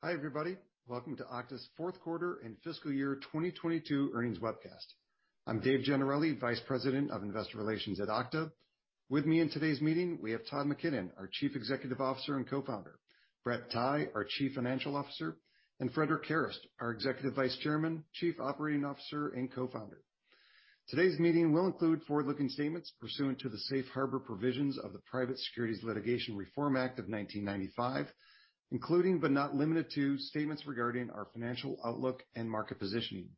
Hi, everybody. Welcome to Okta's Fourth Quarter and Fiscal Year 2022 earnings webcast. I'm Dave Gennarelli, Vice President of Investor Relations at Okta. With me in today's meeting, we have Todd McKinnon, our Chief Executive Officer and Co-founder, Brett Tighe, our Chief Financial Officer, and Frederic Kerrest, our Executive Vice Chairman, Chief Operating Officer, and Co-founder. Today's meeting will include forward-looking statements pursuant to the safe harbor provisions of the Private Securities Litigation Reform Act of 1995, including but not limited to statements regarding our financial outlook and market positioning.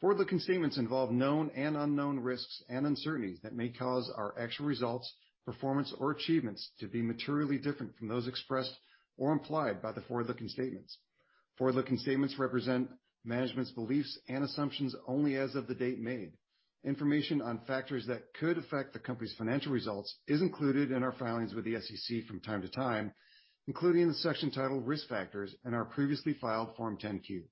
Forward-looking statements involve known and unknown risks and uncertainties that may cause our actual results, performance, or achievements to be materially different from those expressed or implied by the forward-looking statements. Forward-looking statements represent management's beliefs and assumptions only as of the date made. Information on factors that could affect the company's financial results is included in our filings with the SEC from time to time, including the section titled Risk Factors in our previously filed Form 10-Q.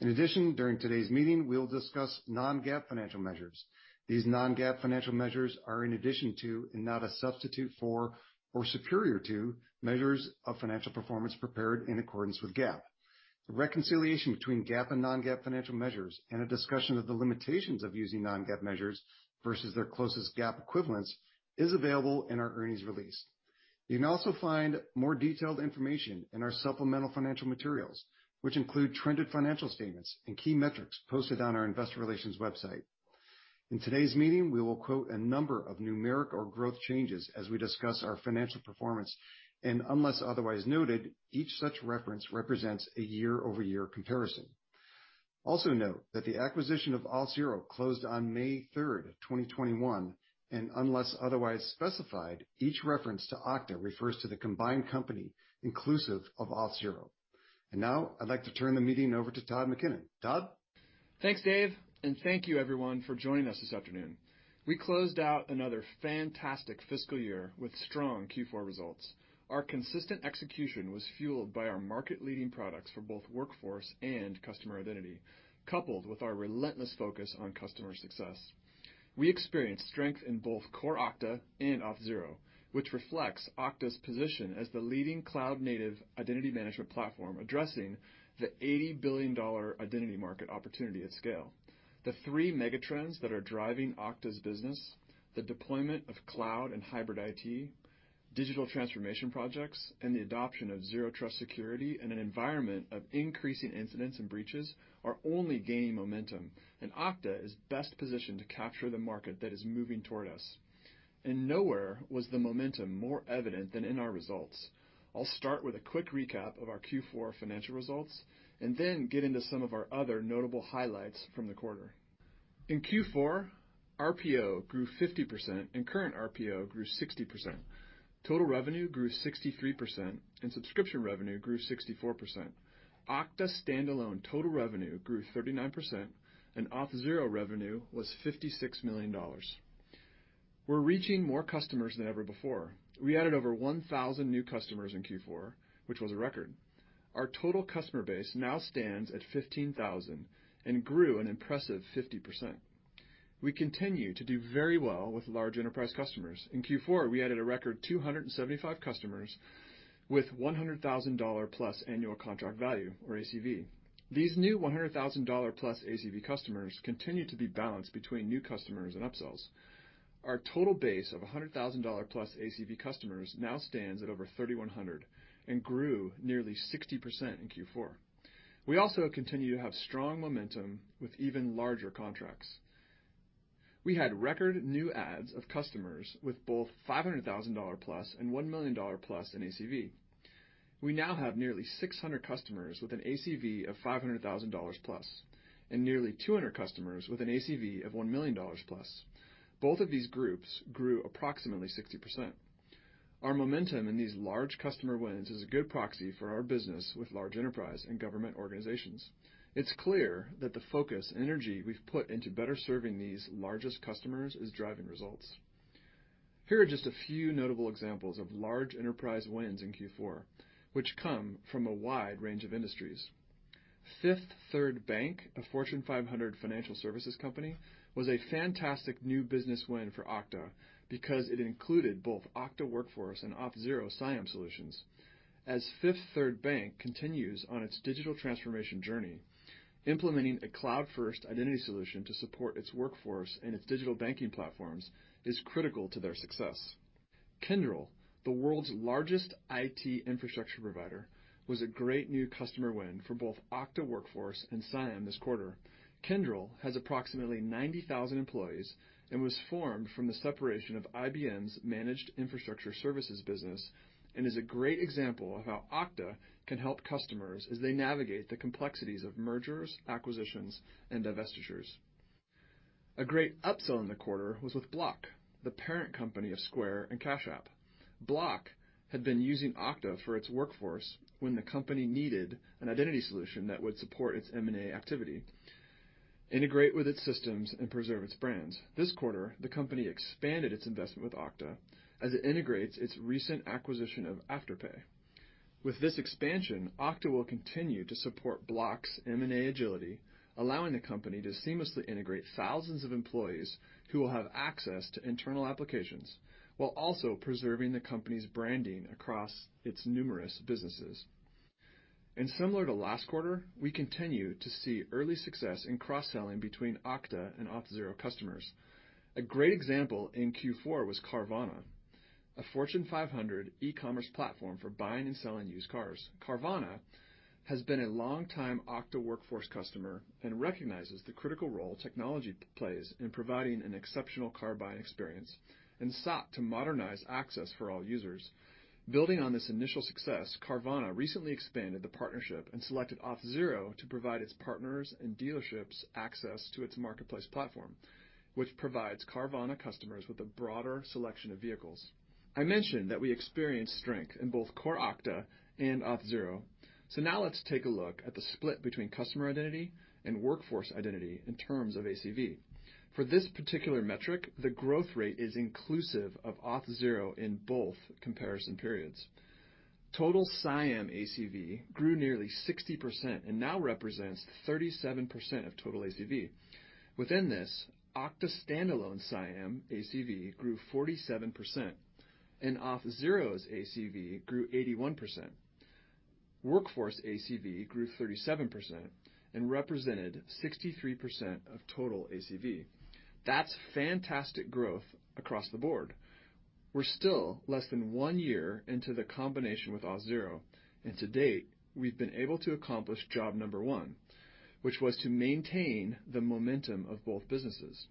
In addition, during today's meeting, we'll discuss non-GAAP financial measures. These non-GAAP financial measures are in addition to, and not a substitute for or superior to, measures of financial performance prepared in accordance with GAAP. The reconciliation between GAAP and non-GAAP financial measures and a discussion of the limitations of using non-GAAP measures versus their closest GAAP equivalents is available in our earnings release. You can also find more detailed information in our supplemental financial materials, which include trended financial statements and key metrics posted on our investor relations website. In today's meeting, we will quote a number of numeric or growth changes as we discuss our financial performance, and unless otherwise noted, each such reference represents a year-over-year comparison. Also note that the acquisition of Auth0 closed on May 3rd, 2021, and unless otherwise specified, each reference to Okta refers to the combined company inclusive of Auth0. Now I'd like to turn the meeting over to Todd McKinnon. Todd? Thanks, Dave, and thank you everyone for joining us this afternoon. We closed out another fantastic fiscal year with strong Q4 results. Our consistent execution was fueled by our market-leading products for both workforce and customer identity, coupled with our relentless focus on customer success. We experienced strength in both core Okta and Auth0, which reflects Okta's position as the leading cloud-native identity management platform addressing the $80 billion identity market opportunity at scale. The three megatrends that are driving Okta's business, the deployment of cloud and hybrid IT, digital transformation projects, and the adoption of Zero Trust security in an environment of increasing incidents and breaches are only gaining momentum, and Okta is best positioned to capture the market that is moving toward us. Nowhere was the momentum more evident than in our results. I'll start with a quick recap of our Q4 financial results and then get into some of our other notable highlights from the quarter. In Q4, RPO grew 50%, and current RPO grew 60%. Total revenue grew 63%, and subscription revenue grew 64%. Okta standalone total revenue grew 39%, and Auth0 revenue was $56 million. We're reaching more customers than ever before. We added over 1,000 new customers in Q4, which was a record. Our total customer base now stands at 15,000 and grew an impressive 50%. We continue to do very well with large enterprise customers. In Q4, we added a record 275 customers with $100,000+ annual contract value or ACV. These new $100,000+ ACV customers continue to be balanced between new customers and upsells. Our total base of $100,000+ ACV customers now stands at over 3,100 and grew nearly 60% in Q4. We also continue to have strong momentum with even larger contracts. We had record new adds of customers with both $500,000+ and $1 million+ in ACV. We now have nearly 600 customers with an ACV of $500,000+ and nearly 200 customers with an ACV of $1 million+. Both of these groups grew approximately 60%. Our momentum in these large customer wins is a good proxy for our business with large enterprise and government organizations. It's clear that the focus and energy we've put into better serving these largest customers is driving results. Here are just a few notable examples of large enterprise wins in Q4, which come from a wide range of industries. Fifth Third Bank, a Fortune 500 financial services company, was a fantastic new business win for Okta because it included both Okta Workforce and Auth0 CIAM solutions. As Fifth Third Bank continues on its digital transformation journey, implementing a cloud-1st identity solution to support its workforce and its digital banking platforms is critical to their success. Kyndryl, the world's largest IT infrastructure provider, was a great new customer win for both Okta Workforce and CIAM this quarter. Kyndryl has approximately 90,000 employees and was formed from the separation of IBM's managed infrastructure services business and is a great example of how Okta can help customers as they navigate the complexities of mergers, acquisitions, and divestitures. A great upsell in the quarter was with Block, the parent company of Square and Cash App. Block had been using Okta for its workforce when the company needed an identity solution that would support its M&A activity, integrate with its systems, and preserve its brands. This quarter, the company expanded its investment with Okta as it integrates its recent acquisition of Afterpay. With this expansion, Okta will continue to support Block's M&A agility, allowing the company to seamlessly integrate thousands of employees who will have access to internal applications while also preserving the company's branding across its numerous businesses. Similar to last quarter, we continue to see early success in cross-selling between Okta and Auth0 customers. A great example in Q4 was Carvana, a Fortune 500 e-commerce platform for buying and selling used cars. Carvana has been a long-time Okta Workforce customer and recognizes the critical role technology plays in providing an exceptional car-buying experience and sought to modernize access for all users. Building on this initial success, Carvana recently expanded the partnership and selected Auth0 to provide its partners and dealerships access to its marketplace platform, which provides Carvana customers with a broader selection of vehicles. I mentioned that we experienced strength in both core Okta and Auth0. Now let's take a look at the split between customer identity and workforce identity in terms of ACV. For this particular metric, the growth rate is inclusive of Auth0 in both comparison periods. Total CIAM ACV grew nearly 60% and now represents 37% of total ACV. Within this, Okta standalone CIAM ACV grew 47%, and Auth0's ACV grew 81%. Workforce ACV grew 37% and represented 63% of total ACV. That's fantastic growth across the board. We're still less than one year into the combination with Auth0, and to date, we've been able to accomplish job number one, which was to maintain the momentum of both businesses.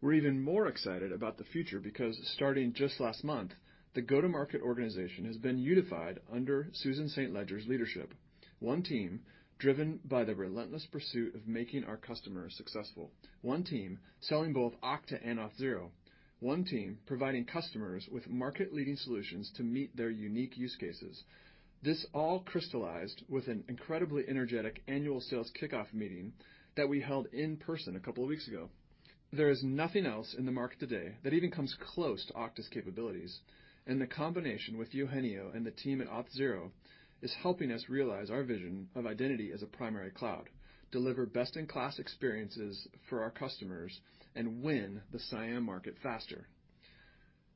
We're even more excited about the future because starting just last month, the go-to-market organization has been unified under Susan St. Ledger's leadership. One team driven by the relentless pursuit of making our customers successful. One team selling both Okta and Auth0. One team providing customers with market-leading solutions to meet their unique use cases. This all crystallized with an incredibly energetic annual sales kickoff meeting that we held in person a couple of weeks ago. There is nothing else in the market today that even comes close to Okta's capabilities, and the combination with Eugenio and the team at Auth0 is helping us realize our vision of identity as a primary cloud, deliver best-in-class experiences for our customers, and win the CIAM market faster.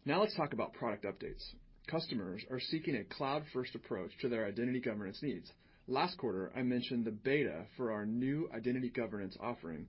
Now let's talk about product updates. Customers are seeking a cloud-1st approach to their identity governance needs. Last quarter, I mentioned the beta for our new identity governance offering.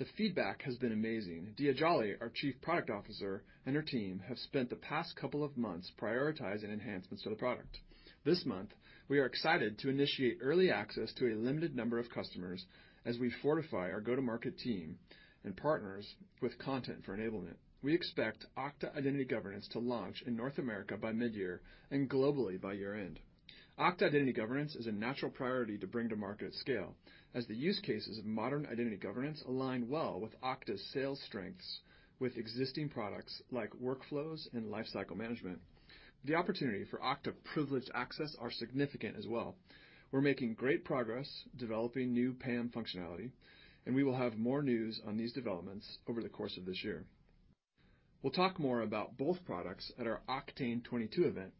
The feedback has been amazing. Diya Jolly, our Chief Product Officer, and her team have spent the past couple of months prioritizing enhancements to the product. This month, we are excited to initiate early access to a limited number of customers as we fortify our go-to-market team and partners with content for enablement. We expect Okta Identity Governance to launch in North America by mid-year and globally by year-end. Okta Identity Governance is a natural priority to bring to market scale as the use cases of modern identity governance align well with Okta's sales strengths with existing products like Workflows and Lifecycle Management. The opportunity for Okta privileged access are significant as well. We're making great progress developing new PAM functionality, and we will have more news on these developments over the course of this year. We'll talk more about both products at our Oktane 2022 event.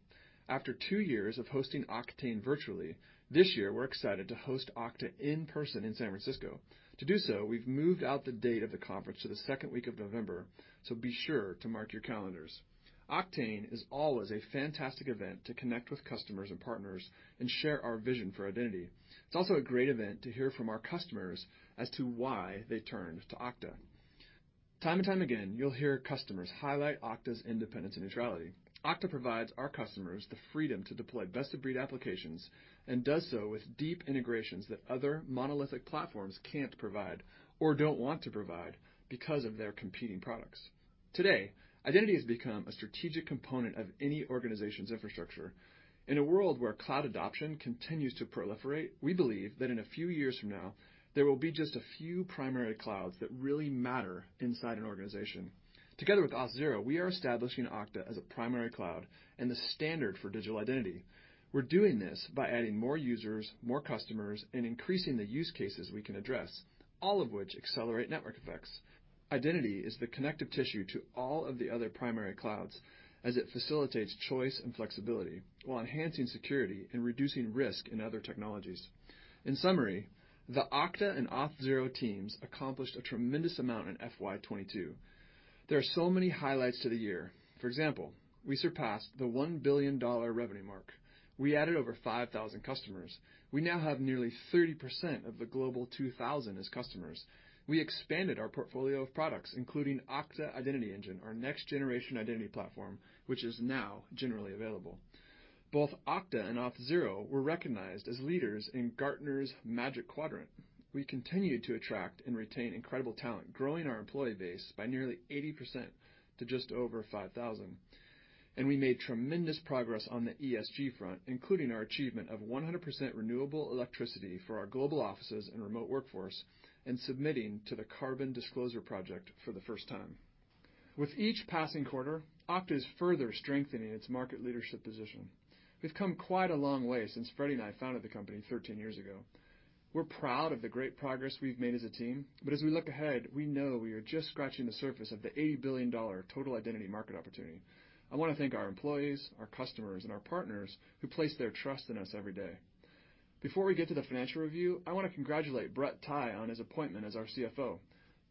After two years of hosting Oktane virtually, this year, we're excited to host Oktane in person in San Francisco. To do so, we've moved out the date of the conference to the 2nd week of November, so be sure to mark your calendars. Oktane is always a fantastic event to connect with customers and partners and share our vision for identity. It's also a great event to hear from our customers as to why they turned to Okta. Time and time again, you'll hear customers highlight Okta's independence and neutrality. Okta provides our customers the freedom to deploy best-of-breed applications and does so with deep integrations that other monolithic platforms can't provide or don't want to provide because of their competing products. Today, identity has become a strategic component of any organization's infrastructure. In a world where cloud adoption continues to proliferate, we believe that in a few years from now, there will be just a few primary clouds that really matter inside an organization. Together with Auth0, we are establishing Okta as a primary cloud and the standard for digital identity. We're doing this by adding more users, more customers, and increasing the use cases we can address, all of which accelerate network effects. Identity is the connective tissue to all of the other primary clouds as it facilitates choice and flexibility while enhancing security and reducing risk in other technologies. In summary, the Okta and Auth0 teams accomplished a tremendous amount in FY 2022. There are so many highlights to the year. For example, we surpassed the $1 billion revenue mark. We added over 5,000 customers. We now have nearly 30% of the Global 2000 as customers. We expanded our portfolio of products, including Okta Identity Engine, our next-generation identity platform, which is now generally available. Both Okta and Auth0 were recognized as leaders in Gartner's Magic Quadrant. We continued to attract and retain incredible talent, growing our employee base by nearly 80% to just over 5,000. We made tremendous progress on the ESG front, including our achievement of 100% renewable electricity for our global offices and remote workforce, and submitting to the Carbon Disclosure Project for the 1st time. With each passing quarter, Okta is further strengthening its market leadership position. We've come quite a long way since Frederic and I founded the company 13 years ago. We're proud of the great progress we've made as a team, but as we look ahead, we know we are just scratching the surface of the $80 billion total identity market opportunity. I want to thank our employees, our customers, and our partners who place their trust in us every day. Before we get to the financial review, I want to congratulate Brett Tighe on his appointment as our CFO.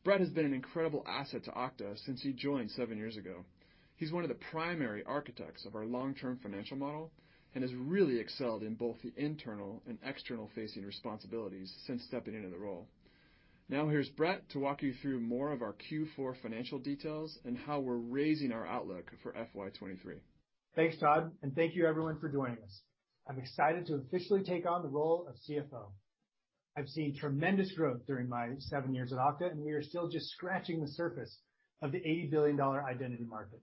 Brett has been an incredible asset to Okta since he joined seven years ago. He's one of the primary architects of our long-term financial model and has really excelled in both the internal and external-facing responsibilities since stepping into the role. Now here's Brett to walk you through more of our Q4 financial details and how we're raising our outlook for FY 2023. Thanks, Todd, and thank you everyone for joining us. I'm excited to officially take on the role of CFO. I've seen tremendous growth during my seven years at Okta, and we are still just scratching the surface of the $80 billion identity market.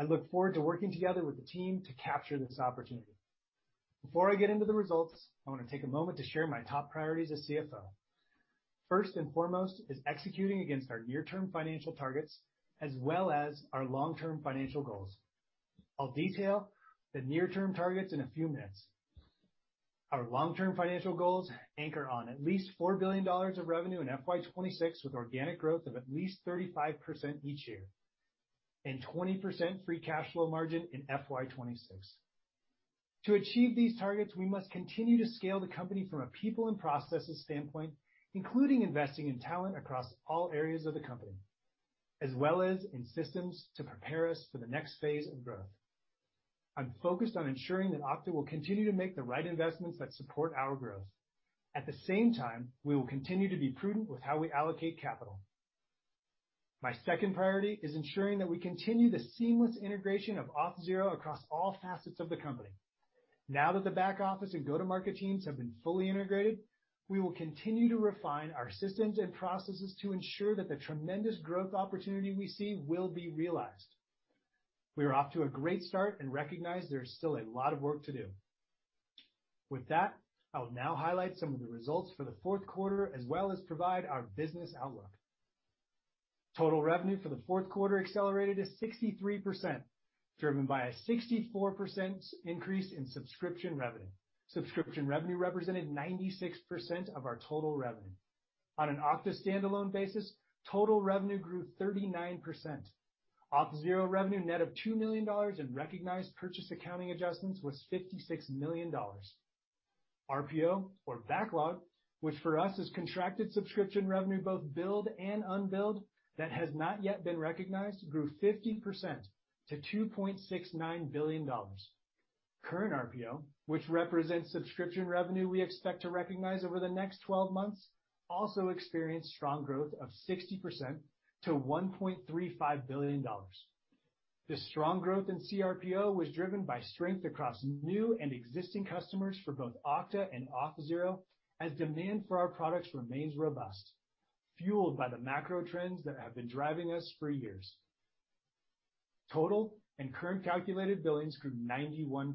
I look forward to working together with the team to capture this opportunity. Before I get into the results, I wanna take a moment to share my top priorities as CFO. First and foremost is executing against our near-term financial targets as well as our long-term financial goals. I'll detail the near-term targets in a few minutes. Our long-term financial goals anchor on at least $4 billion of revenue in FY 2026 with organic growth of at least 35% each year, and 20% free cash flow margin in FY 2026. To achieve these targets, we must continue to scale the company from a people and processes standpoint, including investing in talent across all areas of the company, as well as in systems to prepare us for the next phase of growth. I'm focused on ensuring that Okta will continue to make the right investments that support our growth. At the same time, we will continue to be prudent with how we allocate capital. My 2nd priority is ensuring that we continue the seamless integration of Auth0 across all facets of the company. Now that the back office and go-to-market teams have been fully integrated, we will continue to refine our systems and processes to ensure that the tremendous growth opportunity we see will be realized. We are off to a great start and recognize there is still a lot of work to do. With that, I will now highlight some of the results for the 4th quarter as well as provide our business outlook. Total revenue for the 4th quarter accelerated to 63%, driven by a 64% increase in subscription revenue. Subscription revenue represented 96% of our total revenue. On an Okta standalone basis, total revenue grew 39%. Auth0 revenue net of $2 million and recognized purchase accounting adjustments was $56 million. RPO or backlog, which for us is contracted subscription revenue, both billed and unbilled, that has not yet been recognized, grew 50% to $2.69 billion. Current RPO, which represents subscription revenue we expect to recognize over the next 12 months, also experienced strong growth of 60% to $1.35 billion. This strong growth in CRPO was driven by strength across new and existing customers for both Okta and Auth0 as demand for our products remains robust, fueled by the macro trends that have been driving us for years. Total and current calculated billings grew 91%.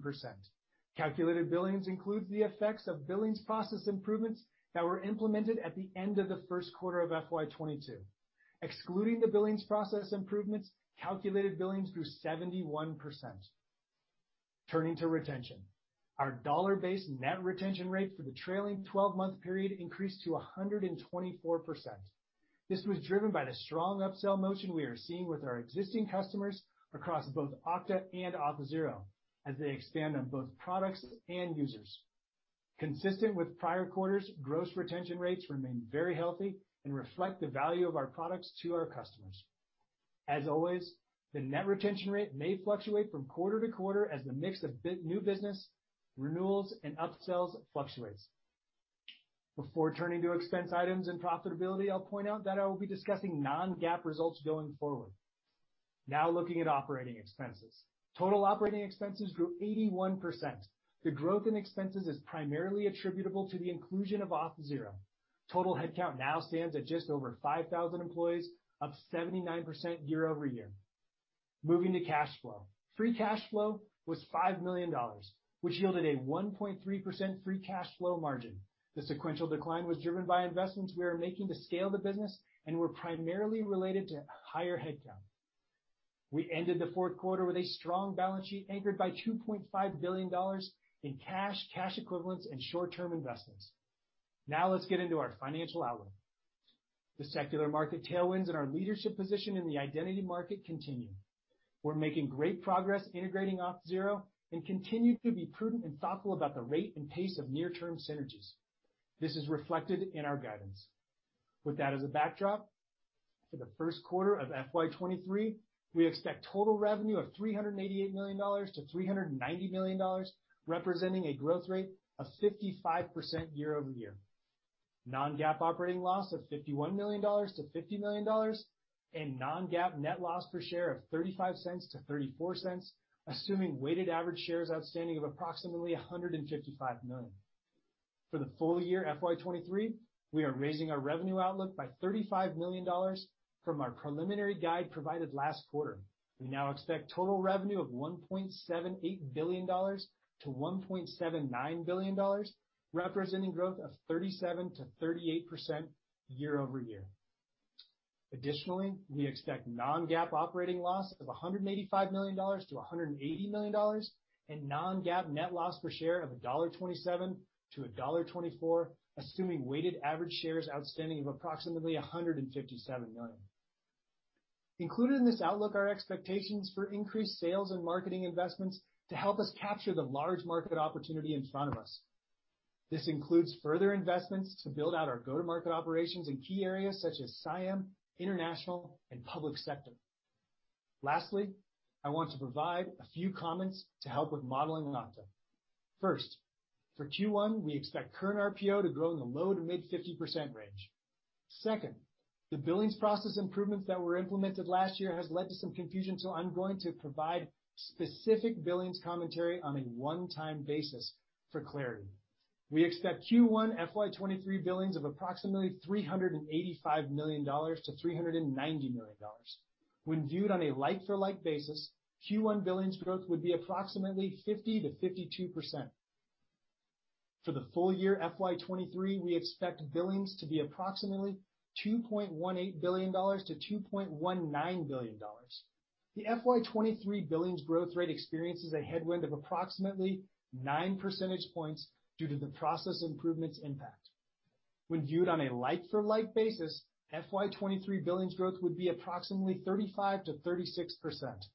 Calculated billings includes the effects of billings process improvements that were implemented at the end of the 1st quarter of FY 2022. Excluding the billings process improvements, calculated billings grew 71%. Turning to retention, our dollar-based net retention rate for the trailing 12-month period increased to 124%. This was driven by the strong upsell motion we are seeing with our existing customers across both Okta and Auth0 as they expand on both products and users. Consistent with prior quarters, gross retention rates remain very healthy and reflect the value of our products to our customers. As always, the net retention rate may fluctuate from quarter to quarter as the mix of new business, renewals, and upsells fluctuates. Before turning to expense items and profitability, I'll point out that I will be discussing non-GAAP results going forward. Now looking at operating expenses. Total operating expenses grew 81%. The growth in expenses is primarily attributable to the inclusion of Auth0. Total headcount now stands at just over 5,000 employees, up 79% year-over-year. Moving to cash flow. Free cash flow was $5 million, which yielded a 1.3% free cash flow margin. The sequential decline was driven by investments we are making to scale the business and were primarily related to higher headcount. We ended the 4th quarter with a strong balance sheet anchored by $2.5 billion in cash equivalents, and short-term investments. Now let's get into our financial outlook. The secular market tailwinds and our leadership position in the identity market continue. We're making great progress integrating Auth0 and continue to be prudent and thoughtful about the rate and pace of near-term synergies. This is reflected in our guidance. With that as a backdrop, for the 1st quarter of FY 2023, we expect total revenue of $388 million-$390 million, representing a growth rate of 55% year-over-year. Non-GAAP operating loss of $51 million-$50 million, and non-GAAP net loss per share of $0.35-$0.34, assuming weighted average shares outstanding of approximately 155 million. For the full year FY 2023, we are raising our revenue outlook by $35 million from our preliminary guide provided last quarter. We now expect total revenue of $1.78 billion-$1.79 billion, representing growth of 37%-38% year-over-year. Additionally, we expect non-GAAP operating loss of $185 million-$180 million and non-GAAP net loss per share of $1.27-$1.24, assuming weighted average shares outstanding of approximately 157 million. Included in this outlook are expectations for increased sales and marketing investments to help us capture the large market opportunity in front of us. This includes further investments to build out our go-to-market operations in key areas such as CIAM, international, and public sector. Lastly, I want to provide a few comments to help with modeling Okta. First, for Q1, we expect current RPO to grow in the low to mid-50% range. Second, the billings process improvements that were implemented last year has led to some confusion, so I'm going to provide specific billings commentary on a one-time basis for clarity. We expect Q1 FY 2023 billings of approximately $385 million-$390 million. When viewed on a like-for-like basis, Q1 billings growth would be approximately 50%-52%. For the full year FY 2023, we expect billings to be approximately $2.18 billion-$2.19 billion. The FY 2023 billings growth rate experiences a headwind of approximately nine percentage points due to the process improvements impact. When viewed on a like-for-like basis, FY 2023 billings growth would be approximately 35%-36%.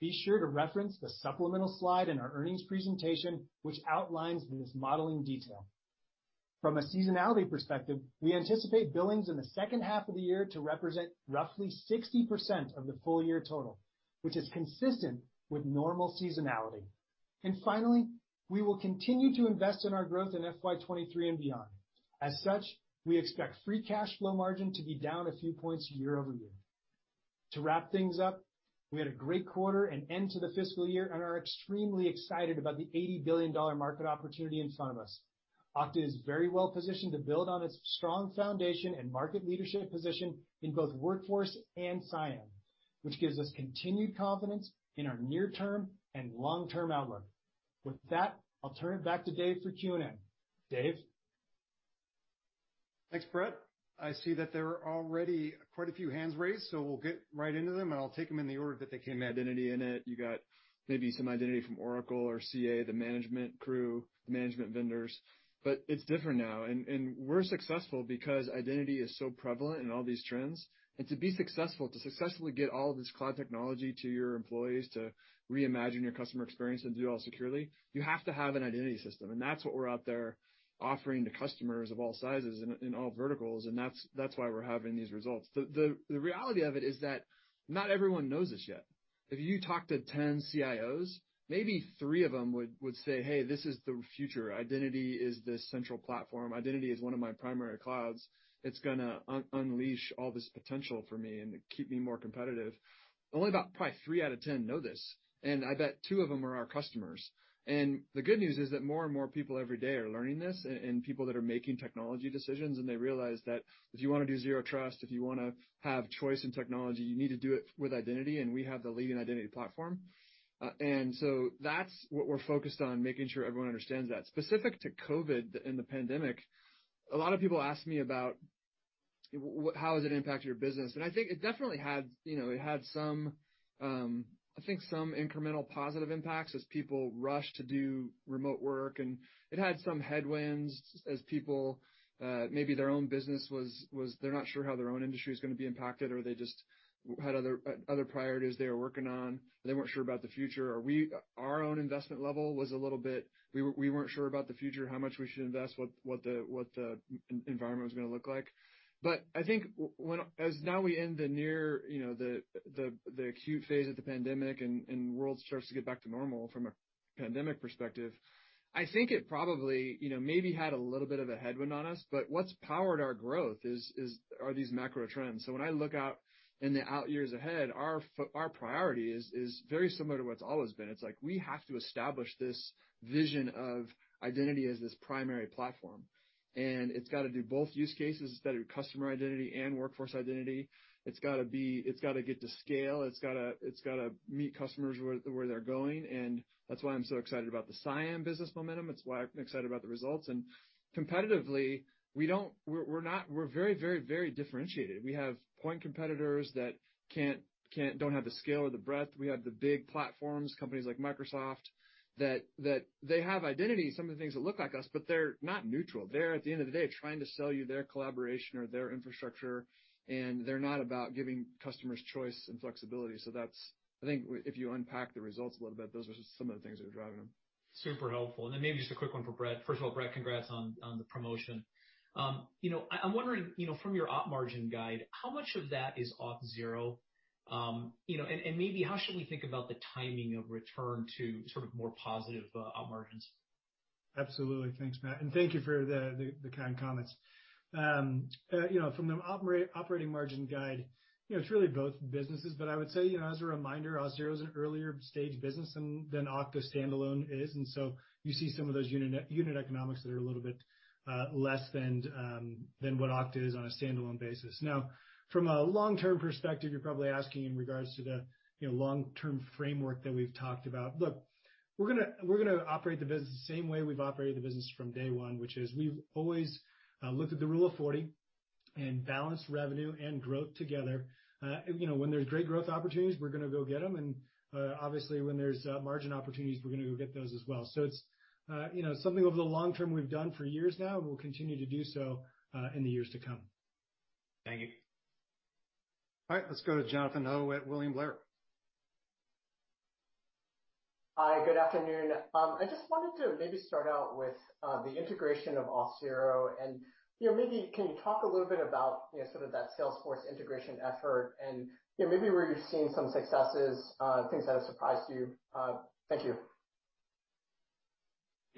Be sure to reference the supplemental slide in our earnings presentation, which outlines this modeling detail. From a seasonality perspective, we anticipate billings in the 2nd half of the year to represent roughly 60% of the full year total, which is consistent with normal seasonality. Finally, we will continue to invest in our growth in FY 2023 and beyond. As such, we expect free cash flow margin to be down a few points year over year. To wrap things up, we had a great quarter and end to the fiscal year and are extremely excited about the $80 billion market opportunity in front of us. Okta is very well positioned to build on its strong foundation and market leadership position in both Workforce and CIAM, which gives us continued confidence in our near term and long-term outlook. With that, I'll turn it back to Dave for Q&A. Dave? Thanks, Brett. I see that there are already quite a few hands raised, so we'll get right into them, and I'll take them in the order that they came. Identity in it, you got maybe some identity from Oracle or CA, the management crew, the management vendors. It's different now, and we're successful because identity is so prevalent in all these trends. To be successful, to successfully get all this cloud technology to your employees, to reimagine your customer experience and do it all securely, you have to have an identity system, and that's what we're out there offering to customers of all sizes in all verticals, and that's why we're having these results. The reality of it is that not everyone knows this yet. If you talk to 10 CIOs, maybe three of them would say, "Hey, this is the future. Identity is the central platform. Identity is one of my primary clouds. It's gonna unleash all this potential for me and keep me more competitive." Only about probably three out of ten know this, and I bet two of them are our customers. The good news is that more and more people every day are learning this and people that are making technology decisions, and they realize that if you wanna do Zero Trust, if you wanna have choice in technology, you need to do it with Identity, and we have the leading identity platform. That's what we're focused on, making sure everyone understands that. Specific to COVID and the pandemic, a lot of people ask me about how has it impacted your business. I think it definitely had, you know, some incremental positive impacts as people rushed to do remote work, and it had some headwinds as people maybe their own business was. They're not sure how their own industry is gonna be impacted, or they just had other priorities they were working on. They weren't sure about the future. Our own investment level was a little bit. We weren't sure about the future, how much we should invest, what the environment was gonna look like. I think when, as now we end the year, you know, the acute phase of the pandemic and world starts to get back to normal from a pandemic perspective, I think it probably, you know, maybe had a little bit of a headwind on us. What's powered our growth are these macro trends. When I look out in the years ahead, our priority is very similar to what it's always been. It's like we have to establish this vision of identity as this primary platform, and it's gotta do both use cases that are customer identity and workforce identity. It's gotta get to scale. It's gotta meet customers where they're going, and that's why I'm so excited about the CIAM business momentum. It's why I'm excited about the results. Competitively, we're very differentiated. We have point competitors that can't don't have the scale or the breadth. We have the big platforms, companies like Microsoft, that they have identity, some of the things that look like us, but they're not neutral. They're at the end of the day trying to sell you their collaboration or their infrastructure, and they're not about giving customers choice and flexibility. That's, I think if you unpack the results a little bit, those are some of the things that are driving them. Super helpful. Maybe just a quick one for Brett. First of all, Brett, congrats on the promotion. I'm wondering from your op margin guide, how much of that is Auth0? Maybe how should we think about the timing of return to sort of more positive op margins? Absolutely. Thanks, Matt, and thank you for the kind comments. You know, from the operating margin guide, you know, it's really both businesses. I would say, you know, as a reminder, Auth0 is an earlier stage business than Okta standalone is. You see some of those unit economics that are a little bit less than what Okta is on a standalone basis. Now, from a long-term perspective, you're probably asking in regards to the long-term framework that we've talked about. Look, we're gonna operate the business the same way we've operated the business from day one, which is we've always looked at the rule of forty and balanced revenue and growth together. You know, when there's great growth opportunities, we're gonna go get them. Obviously, when there's margin opportunities, we're gonna go get those as well. It's, you know, something over the long term we've done for years now, and we'll continue to do so in the years to come. Thank you. All right. Let's go to Jonathan Ho at William Blair. Hi, good afternoon. I just wanted to maybe start out with the integration of Auth0 and, you know, maybe can you talk a little bit about, you know, sort of that Salesforce integration effort and, you know, maybe where you're seeing some successes, things that have surprised you. Thank you.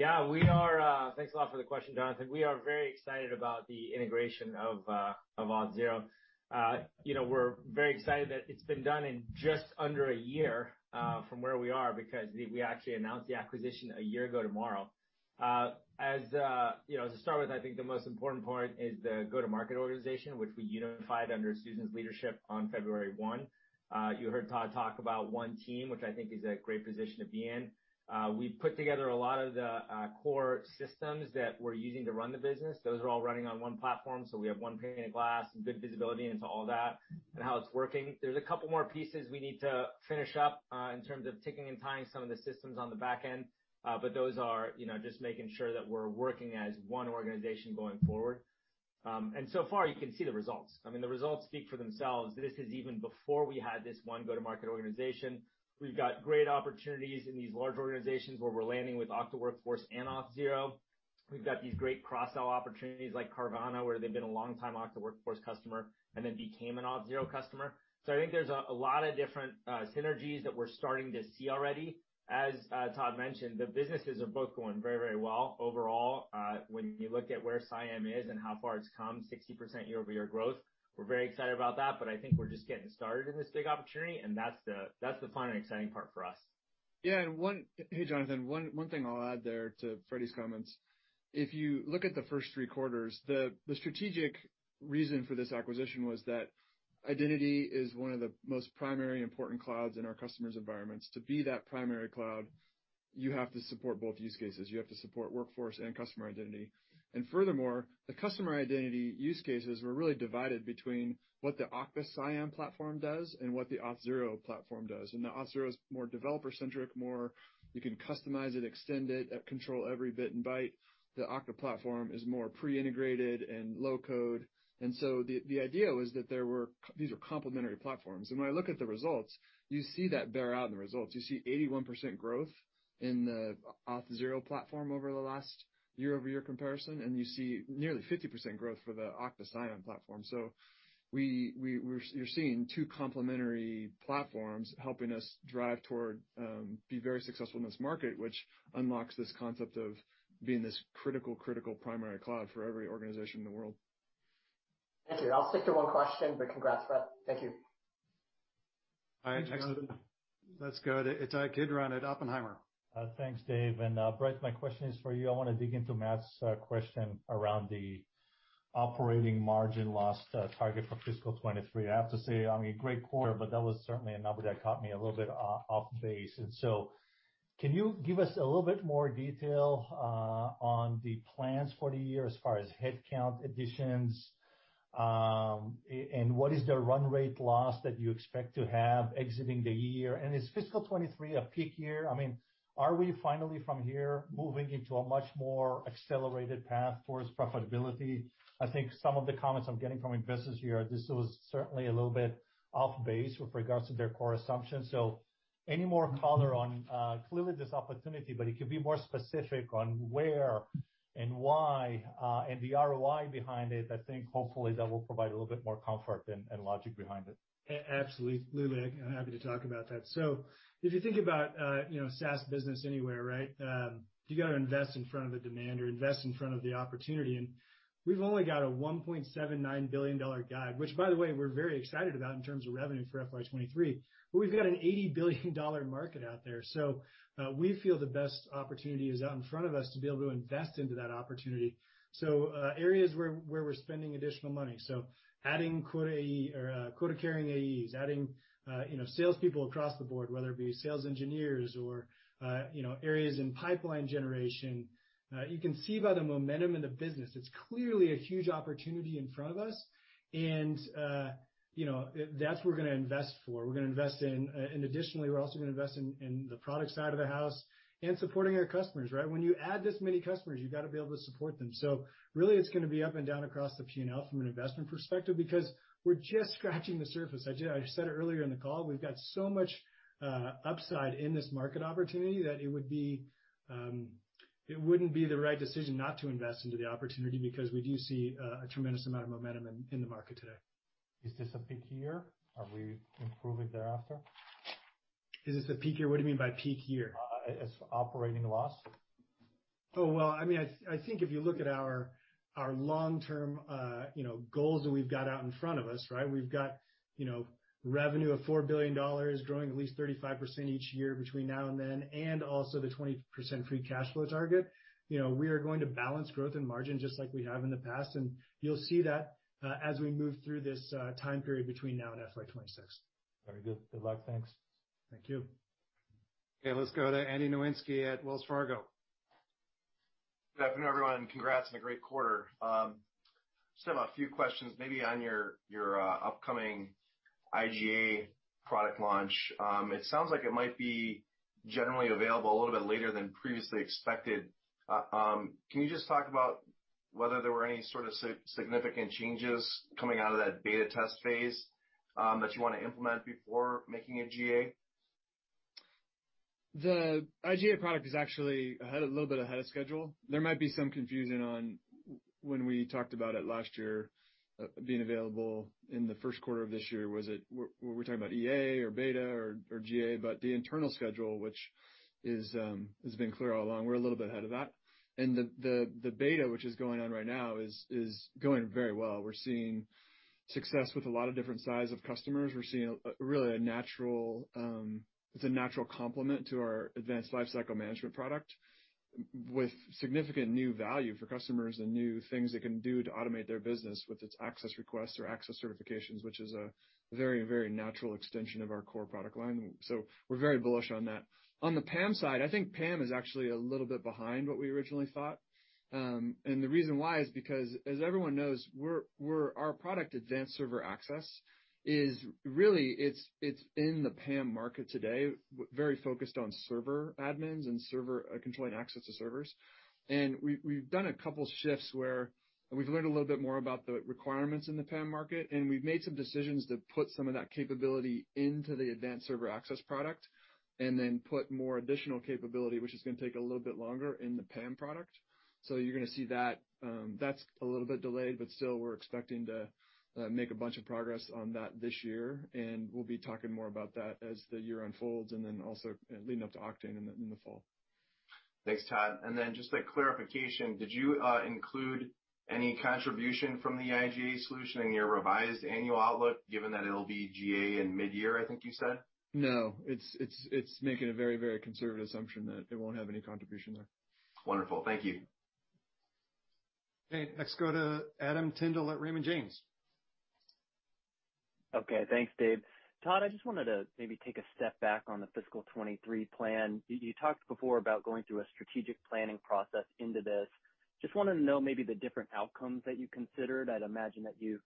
Yeah. Thanks a lot for the question, Jonathan. We are very excited about the integration of Auth0. You know, we're very excited that it's been done in just under a year from where we are because we actually announced the acquisition a year ago tomorrow. As you know, to start with, I think the most important part is the go-to-market organization which we unified under Susan's leadership on February 1. You heard Todd talk about one team, which I think is a great position to be in. We put together a lot of the core systems that we're using to run the business. Those are all running on one platform, so we have one pane of glass, good visibility into all that and how it's working. There's a couple more pieces we need to finish up in terms of ticking and tying some of the systems on the back end. Those are, you know, just making sure that we're working as one organization going forward. So far you can see the results. I mean, the results speak for themselves. This is even before we had this one go-to-market organization. We've got great opportunities in these large organizations where we're landing with Okta Workforce and Auth0. We've got these great cross-sell opportunities like Carvana, where they've been a long time Okta Workforce customer and then became an Auth0 customer. I think there's a lot of different synergies that we're starting to see already. As Todd mentioned, the businesses are both going very, very well overall. When you look at where CIAM is and how far it's come, 60% year-over-year growth, we're very excited about that. I think we're just getting started in this big opportunity, and that's the fun and exciting part for us. Yeah. Hey, Jonathan, one thing I'll add there to Frederic's comments. If you look at the 1st three quarters, the strategic reason for this acquisition was that identity is one of the most primary important clouds in our customers' environments. To be that primary cloud, you have to support both use cases. You have to support workforce and customer identity. Furthermore, the customer identity use cases were really divided between what the Okta CIAM platform does and what the Auth0 platform does. The Auth0 is more developer-centric, more you can customize it, extend it, control every bit and byte. The Okta platform is more pre-integrated and low code. The idea was that these were complementary platforms. When I look at the results, you see that bear out in the results. You see 81% growth in the Auth0 platform over the last year-over-year comparison, and you see nearly 50% growth for the Okta CIAM platform. You're seeing two complementary platforms helping us drive toward be very successful in this market, which unlocks this concept of being this critical primary cloud for every organization in the world. Thank you. I'll stick to one question, but congrats, Brett. Thank you. All right. Let's go to Ittai Kidron at Oppenheimer & Co. Thanks, Dave. Brett, my question is for you. I wanna dig into Matt's question around the operating margin loss target for fiscal 2023. I have to say, I mean, great quarter, but that was certainly a number that caught me a little bit off base. Can you give us a little bit more detail on the plans for the year as far as headcount additions? And what is the run rate loss that you expect to have exiting the year? Is fiscal 2023 a peak year? I mean, are we finally from here moving into a much more accelerated path towards profitability? I think some of the comments I'm getting from investors here, this was certainly a little bit off base with regards to their core assumptions. Any more color on, clearly there's opportunity, but if you could be more specific on where and why, and the ROI behind it, I think hopefully that will provide a little bit more comfort and logic behind it. Absolutely. Totally. I'm happy to talk about that. If you think about, you know, SaaS business anywhere, right? You gotta invest in front of the demand or invest in front of the opportunity, and we've only got a $1.79 billion guide, which by the way, we're very excited about in terms of revenue for FY 2023. We've got an $80 billion market out there. We feel the best opportunity is out in front of us to be able to invest into that opportunity. Areas where we're spending additional money. Adding quota AE or quota carrying AEs, adding, you know, salespeople across the board, whether it be sales engineers or, you know, areas in pipeline generation. You can see by the momentum in the business, it's clearly a huge opportunity in front of us. You know, that's what we're gonna invest for. We're gonna invest in. Additionally, we're also gonna invest in the product side of the house and supporting our customers, right? When you add this many customers, you gotta be able to support them. Really it's gonna be up and down across the P&L from an investment perspective because we're just scratching the surface. I said it earlier in the call, we've got so much upside in this market opportunity that it wouldn't be the right decision not to invest into the opportunity because we do see a tremendous amount of momentum in the market today. Is this a peak year? Are we improving thereafter? Is this a peak year? What do you mean by peak year? as operating loss. Well, I mean, I think if you look at our long-term, you know, goals that we've got out in front of us, right? We've got, you know, revenue of $4 billion growing at least 35% each year between now and then, and also the 20% free cash flow target. You know, we are going to balance growth and margin just like we have in the past. You'll see that as we move through this time period between now and FY 2026. Very good. Good luck. Thanks. Thank you. Okay, let's go to Andrew Nowinski at Wells Fargo. Good afternoon, everyone. Congrats on a great quarter. I have a few questions maybe on your upcoming IGA product launch. It sounds like it might be generally available a little bit than previously expected. Can you just talk about whether there were any sort of significant changes coming out of that beta test phase that you wanna implement before making it GA? The IGA product is actually a little bit ahead of schedule. There might be some confusion on when we talked about it last year, being available in the 1st quarter of this year. Were we talking about AE or beta or GA? The internal schedule, which has been clear all along, we're a little bit ahead of that. The beta which is going on right now is going very well. We're seeing success with a lot of different size of customers. We're seeing a really natural, it's a natural complement to our Okta Lifecycle Management product with significant new value for customers and new things they can do to automate their business with its access requests or access certifications, which is a very natural extension of our core product line. We're very bullish on that. On the PAM side, I think PAM is actually a little bit behind what we originally thought. The reason why is because, as everyone knows, our product Advanced Server Access is really in the PAM market today, very focused on server admins and controlling access to servers. We've done a couple shifts where we've learned a little bit more about the requirements in the PAM market, and we've made some decisions to put some of that capability into the Advanced Server Access product and then put more additional capability, which is gonna take a little bit longer in the PAM product. You're gonna see that. That's a little bit delayed, but still we're expecting to make a bunch of progress on that this year, and we'll be talking more about that as the year unfolds and then also leading up to Oktane in the fall. Thanks, Todd. Just a clarification. Did you include any contribution from the IGA solution in your revised annual outlook given that it'll be GA in mid-year I think you said? No. It's making a very conservative assumption that it won't have any contribution there. Wonderful. Thank you. Okay. Let's go to Adam Tindle at Raymond James. Okay. Thanks, Dave. Todd, I just wanted to maybe take a step back on the fiscal 2023 plan. You talked before about going through a strategic planning process into this. Just wanna know maybe the different outcomes that you considered. I'd imagine that you've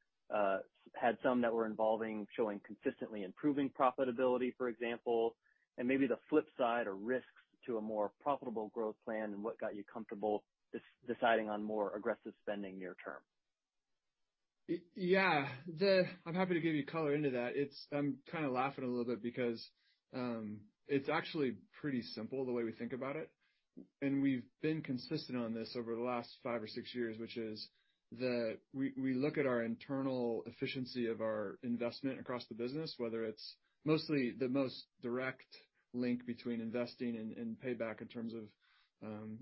had some that were involving showing consistently improving profitability, for example, and maybe the flip side or risks to a more profitable growth plan and what got you comfortable deciding on more aggressive spending near-term. Yeah. I'm happy to give you color into that. I'm kinda laughing a little bit because it's actually pretty simple the way we think about it, and we've been consistent on this over the last five or six years, which is that we look at our internal efficiency of our investment across the business, whether it's the most direct link between investing and payback in terms of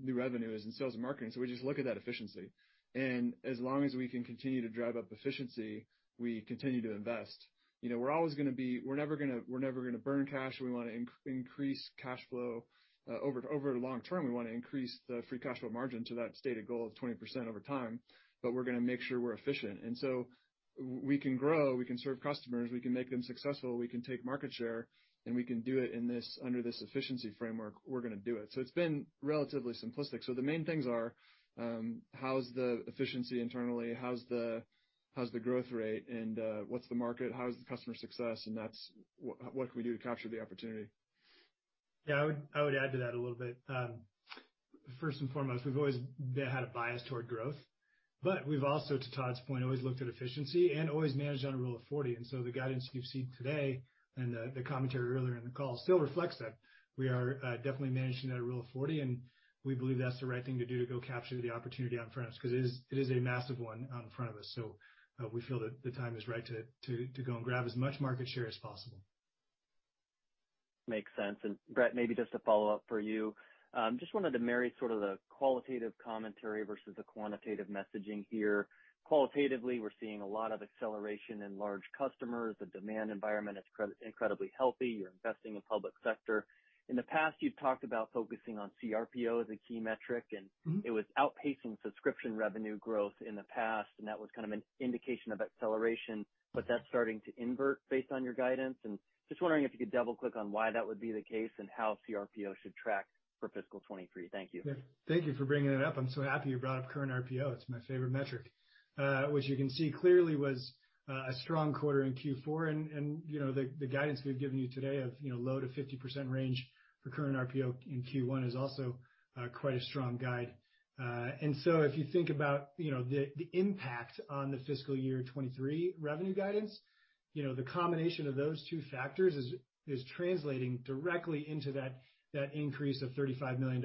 new revenues and sales and marketing. So we just look at that efficiency. As long as we can continue to drive up efficiency, we continue to invest. We're never gonna burn cash. We wanna increase cash flow. Over long term, we wanna increase the free cash flow margin to that stated goal of 20% over time, but we're gonna make sure we're efficient. We can grow, we can serve customers, we can make them successful, we can take market share, and we can do it under this efficiency framework. We're gonna do it. It's been relatively simplistic. The main things are, how's the efficiency internally? How's the growth rate? And, what's the market? How's the customer success? And that's what we can do to capture the opportunity? Yeah. I would add to that a little bit. First and foremost, we've always had a bias toward growth. We've also, to Todd's point, always looked at efficiency and always managed on a rule of forty. The guidance you've seen today and the commentary earlier in the call still reflects that. We are definitely managing at a rule of forty, and we believe that's the right thing to do to go capture the opportunity out in front of us, 'cause it is a massive one out in front of us. We feel that the time is right to go and grab as much market share as possible. Makes sense. Brett, maybe just a follow-up for you. Just wanted to marry sort of the qualitative commentary versus the quantitative messaging here. Qualitatively, we're seeing a lot of acceleration in large customers. The demand environment is incredibly healthy. You're investing in public sector. In the past, you've talked about focusing on CRPO as a key metric, and Mm-hmm. It was outpacing subscription revenue growth in the past, and that was kind of an indication of acceleration. That's starting to invert based on your guidance. Just wondering if you could double-click on why that would be the case and how CRPO should track for fiscal 2023. Thank you. Yeah. Thank you for bringing that up. I'm so happy you brought up current RPO. It's my favorite metric. Which you can see clearly was a strong quarter in Q4 and, you know, the guidance we've given you today of, you know, low to 50% range for current RPO in Q1 is also quite a strong guide. If you think about, you know, the impact on the fiscal year 2023 revenue guidance, you know, the combination of those two factors is translating directly into that increase of $35 million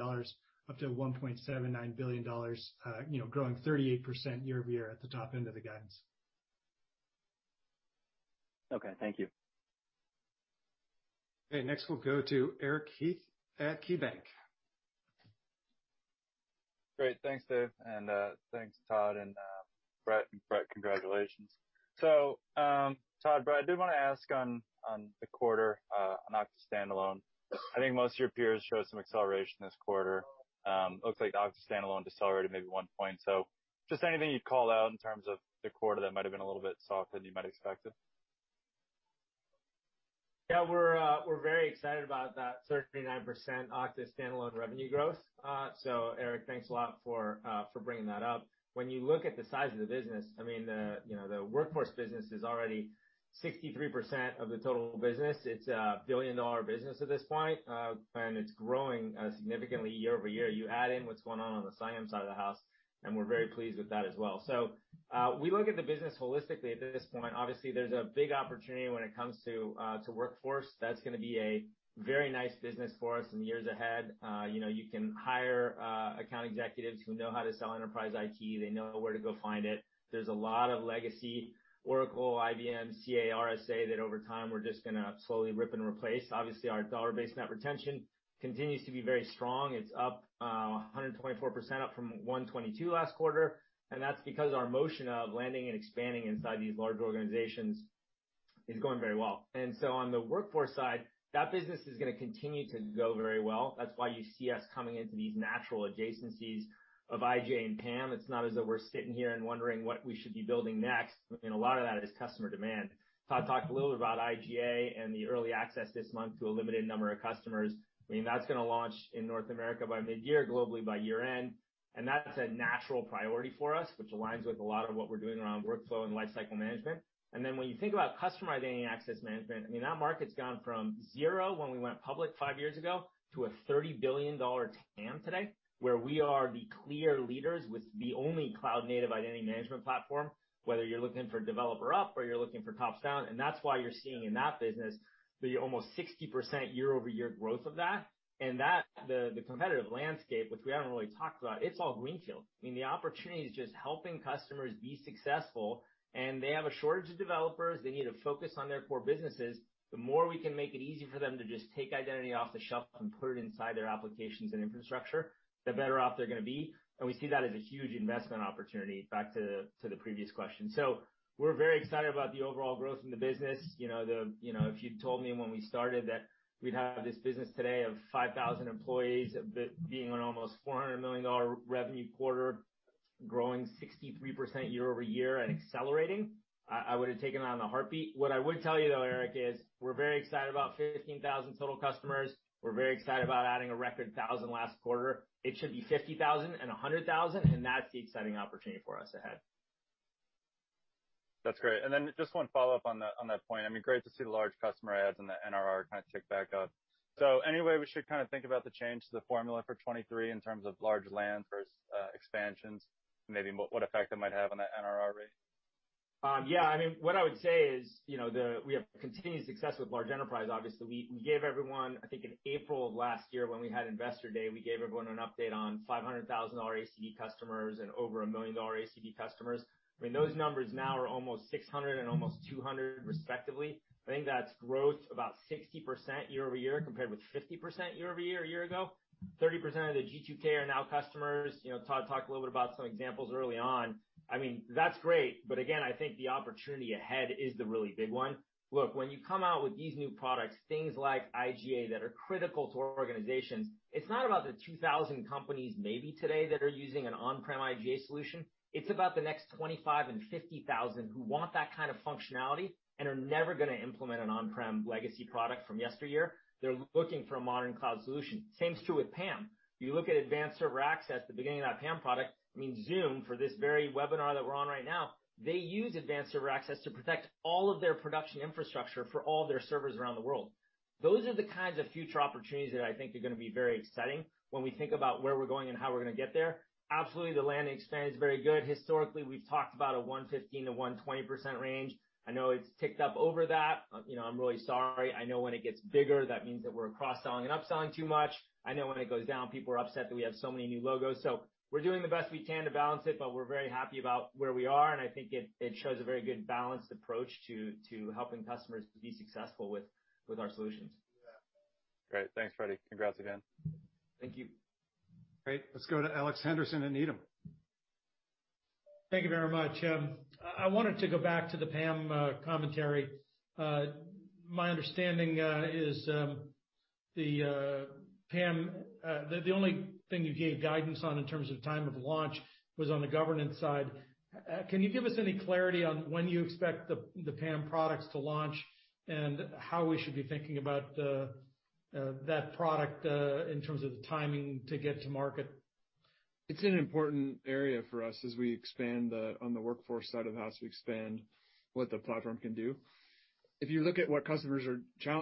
up to $1.79 billion, you know, growing 38% year-over-year at the top end of the guidance. Okay. Thank you. Okay. Next we'll go to Eric Heath at KeyBanc Capital Markets. Great. Thanks, Dave. Thanks, Todd and Brett. Brett, congratulations. Todd, Brett, I did wanna ask on the quarter, on Okta standalone. I think most of your peers showed some acceleration this quarter. Looks like Okta standalone decelerated maybe 1 point. Just anything you'd call out in terms of the quarter that might've been a little bit softer than you might have expected? Yeah. We're very excited about that 39% Okta standalone revenue growth. Eric, thanks a lot for bringing that up. When you look at the size of the business, I mean, the, you know, the workforce business is already 63% of the total business. It's a billion-dollar business at this point, and it's growing significantly year-over-year. You add in what's going on on the sign-in side of the house, and we're very pleased with that as well. We look at the business holistically at this point. Obviously, there's a big opportunity when it comes to Workforce. That's gonna be a very nice business for us in years ahead. You know, you can hire account executives who know how to sell enterprise IT. They know where to go find it. There's a lot of legacy, Oracle, IBM, CA, RSA, that over time, we're just gonna slowly rip and replace. Obviously, our dollar-based net retention continues to be very strong. It's up 124%, up from 122% last quarter. That's because our motion of landing and expanding inside these large organizations is going very well. On the Workforce side, that business is gonna continue to go very well. That's why you see us coming into these natural adjacencies of IGA and PAM. It's not as though we're sitting here and wondering what we should be building next. I mean, a lot of that is customer demand. Todd talked a little about IGA and the early access this month to a limited number of customers. I mean, that's gonna launch in North America by mid-year, globally by year-end, and that's a natural priority for us, which aligns with a lot of what we're doing around workflow and lifecycle management. When you think about customer identity and access management, I mean, that market's gone from zero when we went public five years ago to a $30 billion TAM today, where we are the clear leaders with the only cloud-native identity management platform, whether you're looking for bottom up or you're looking for top down. That's why you're seeing in that business the almost 60% year-over-year growth of that. That the competitive landscape, which we haven't really talked about, it's all greenfield. I mean, the opportunity is just helping customers be successful, and they have a shortage of developers. They need to focus on their core businesses. The more we can make it easy for them to just take identity off the shelf and put it inside their applications and infrastructure, the better off they're gonna be. We see that as a huge investment opportunity, back to the previous question. We're very excited about the overall growth in the business. You know, you know, if you'd told me when we started that we'd have this business today of 5,000 employees, being on almost $400 million revenue quarter, growing 63% year-over-year and accelerating, I would have taken it on in a heartbeat. What I would tell you, though, Eric, is we're very excited about 15,000 total customers. We're very excited about adding a record 1,000 last quarter. It should be 50,000 and 100,000, and that's the exciting opportunity for us ahead. That's great. Then just one follow-up on that point. I mean, great to see the large customer adds and the NRR kind of tick back up. Any way we should kinda think about the change to the formula for 2023 in terms of large land versus expansions, maybe what effect that might have on the NRR rate? Yeah. I mean, what I would say is, you know, we have continued success with large enterprise, obviously. We gave everyone, I think in April of last year when we had Investor Day, we gave everyone an update on $500,000 customers and over $1 million ACV customers. I mean, those numbers now are almost 600 and almost 200 respectively. I think that's growth about 60% year-over-year compared with 50% year-over-year a year ago. 30% of the G2K are now customers. You know, Todd talked a little bit about some examples early on. I mean, that's great. Again, I think the opportunity ahead is the really big one. Look, when you come out with these new products, things like IGA that are critical to our organizations, it's not about the 2,000 companies maybe today that are using an on-prem IGA solution. It's about the next 25 and 50,000 who want that kind of functionality and are never gonna implement an on-prem legacy product from yesteryear. They're looking for a modern cloud solution. Same is true with PAM. You look at Advanced Server Access, the beginning of that PAM product, I mean, Zoom, for this very webinar that we're on right now, they use Advanced Server Access to protect all of their production infrastructure for all their servers around the world. Those are the kinds of future opportunities that I think are gonna be very exciting when we think about where we're going and how we're gonna get there. Absolutely, the land expansion is very good. Historically, we've talked about a 115%-120% range. I know it's ticked up over that. You know, I'm really sorry. I know when it gets bigger, that means that we're cross-selling and upselling too much. I know when it goes down, people are upset that we have so many new logos. We're doing the best we can to balance it, but we're very happy about where we are, and I think it shows a very good balanced approach to helping customers to be successful with our solutions. Great. Thanks, Frederic. Congrats again. Thank you. Great. Let's go to Alex Henderson at Needham & Company. Thank you very much. I wanted to go back to the PAM commentary. My understanding is the PAM, the only thing you gave guidance on in terms of time of launch was on the governance side. Can you give us any clarity on when you expect the PAM products to launch and how we should be thinking about that product in terms of the timing to get to market? It's an important area for us as we expand on the Workforce side of the house. We expand what the platform can do. If you look at what customers are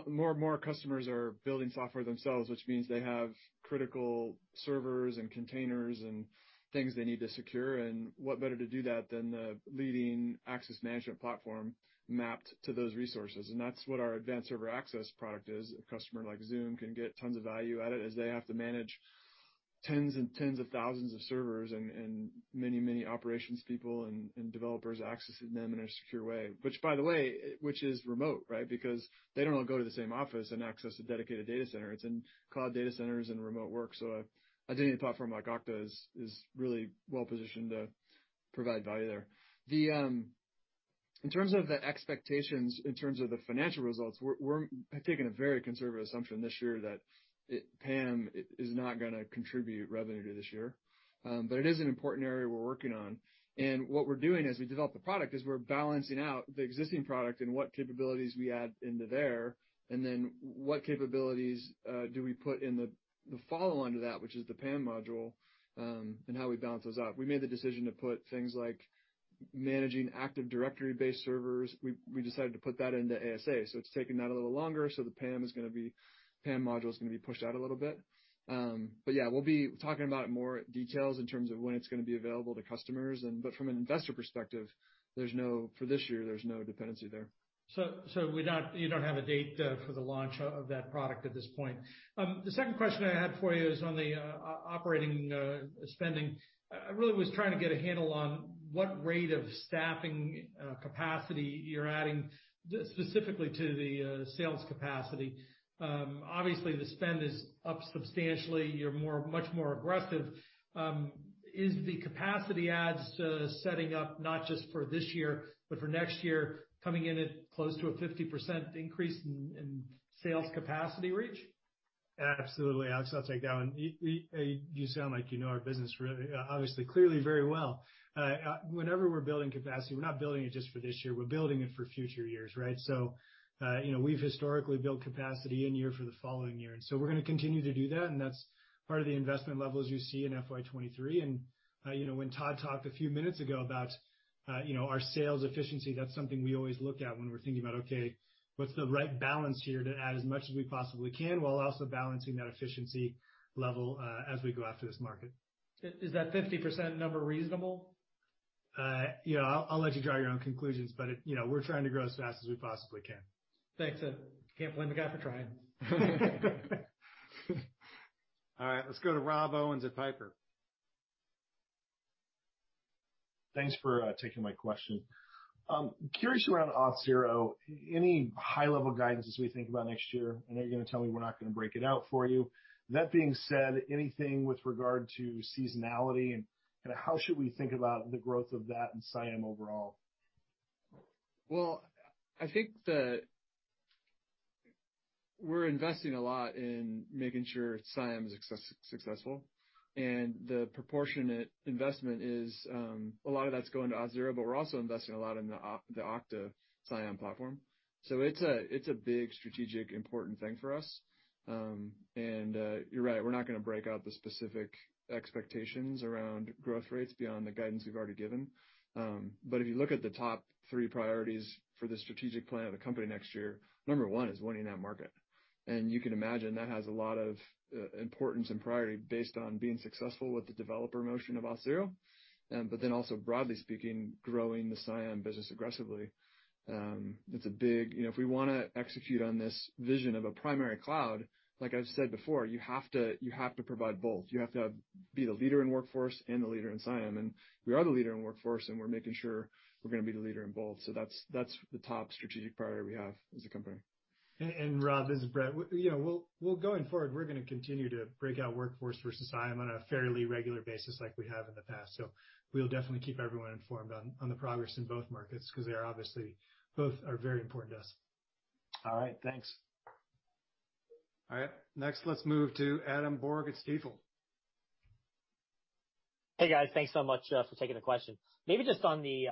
more and more customers are building software themselves, which means they have critical servers and containers and things they need to secure. What better to do that than the leading access management platform mapped to those resources? That's what our Advanced Server Access product is. A customer like Zoom can get tons of value out of it as they have to manage tens and tens of thousands of servers and many, many operations people and developers accessing them in a secure way, which, by the way, is remote, right? Because they don't all go to the same office and access a dedicated data center. It's in cloud data centers and remote work. A data platform like Okta is really well-positioned to provide value there. In terms of the expectations, in terms of the financial results, we're taking a very conservative assumption this year that PAM is not gonna contribute revenue to this year. It is an important area we're working on. What we're doing as we develop the product is we're balancing out the existing product and what capabilities we add into there, and then what capabilities do we put in the follow-on to that, which is the PAM module, and how we balance those out. We made the decision to put things like managing Active Directory-based servers. We decided to put that into ASA, so it's taking that a little longer, so the PAM module is gonna be pushed out a little bit. Yeah, we'll be talking about more details in terms of when it's gonna be available to customers. From an investor perspective, for this year, there's no dependency there. You don't have a date for the launch of that product at this point. The 2nd question I had for you is on the operating spending. I really was trying to get a handle on what rate of staffing capacity you're adding specifically to the sales capacity. Obviously, the spend is up substantially. You're much more aggressive. Is the capacity adds to setting up not just for this year, but for next year coming in at close to a 50% increase in sales capacity reach? Absolutely, Alex. I'll take that one. You sound like you know our business really, obviously, clearly very well. Whenever we're building capacity, we're not building it just for this year, we're building it for future years, right? You know, we've historically built capacity in year for the following year, and so we're gonna continue to do that, and that's part of the investment levels you see in FY 2023. You know, when Todd talked a few minutes ago about, you know, our sales efficiency, that's something we always look at when we're thinking about, okay, what's the right balance here to add as much as we possibly can while also balancing that efficiency level, as we go after this market. Is that 50% number reasonable? You know, I'll let you draw your own conclusions. You know, we're trying to grow as fast as we possibly can. Thanks. Can't blame a guy for trying. All right, let's go to Rob Owens at Piper Sandler. Thanks for taking my question. Curious around Auth0, any high-level guidance as we think about next year? I know you're gonna tell me we're not gonna break it out for you. That being said, anything with regard to seasonality and kinda how should we think about the growth of that and CIAM overall? Well, we're investing a lot in making sure CIAM is successful, and the proportionate investment is a lot of that's going to Auth0, but we're also investing a lot in the Okta CIAM platform. It's a big strategic important thing for us. You're right, we're not gonna break out the specific expectations around growth rates beyond the guidance we've already given. If you look at the top three priorities for the strategic plan of the company next year, number one is winning that market. You can imagine that has a lot of importance and priority based on being successful with the developer motion of Auth0. Also, broadly speaking, growing the CIAM business aggressively. It's a big. You know, if we wanna execute on this vision of a primary cloud, like I've said before, you have to provide both. You have to be the leader in Workforce and the leader in CIAM, and we are the leader in Workforce, and we're making sure we're gonna be the leader in both. That's the top strategic priority we have as a company. Rob, this is Brett. You know, we'll going forward, we're gonna continue to break out Workforce versus CIAM on a fairly regular basis like we have in the past. We'll definitely keep everyone informed on the progress in both markets 'cause they are obviously both very important to us. All right. Thanks. All right. Next, let's move to Adam Borg at Stifel. Hey, guys. Thanks so much for taking the question. Maybe just on the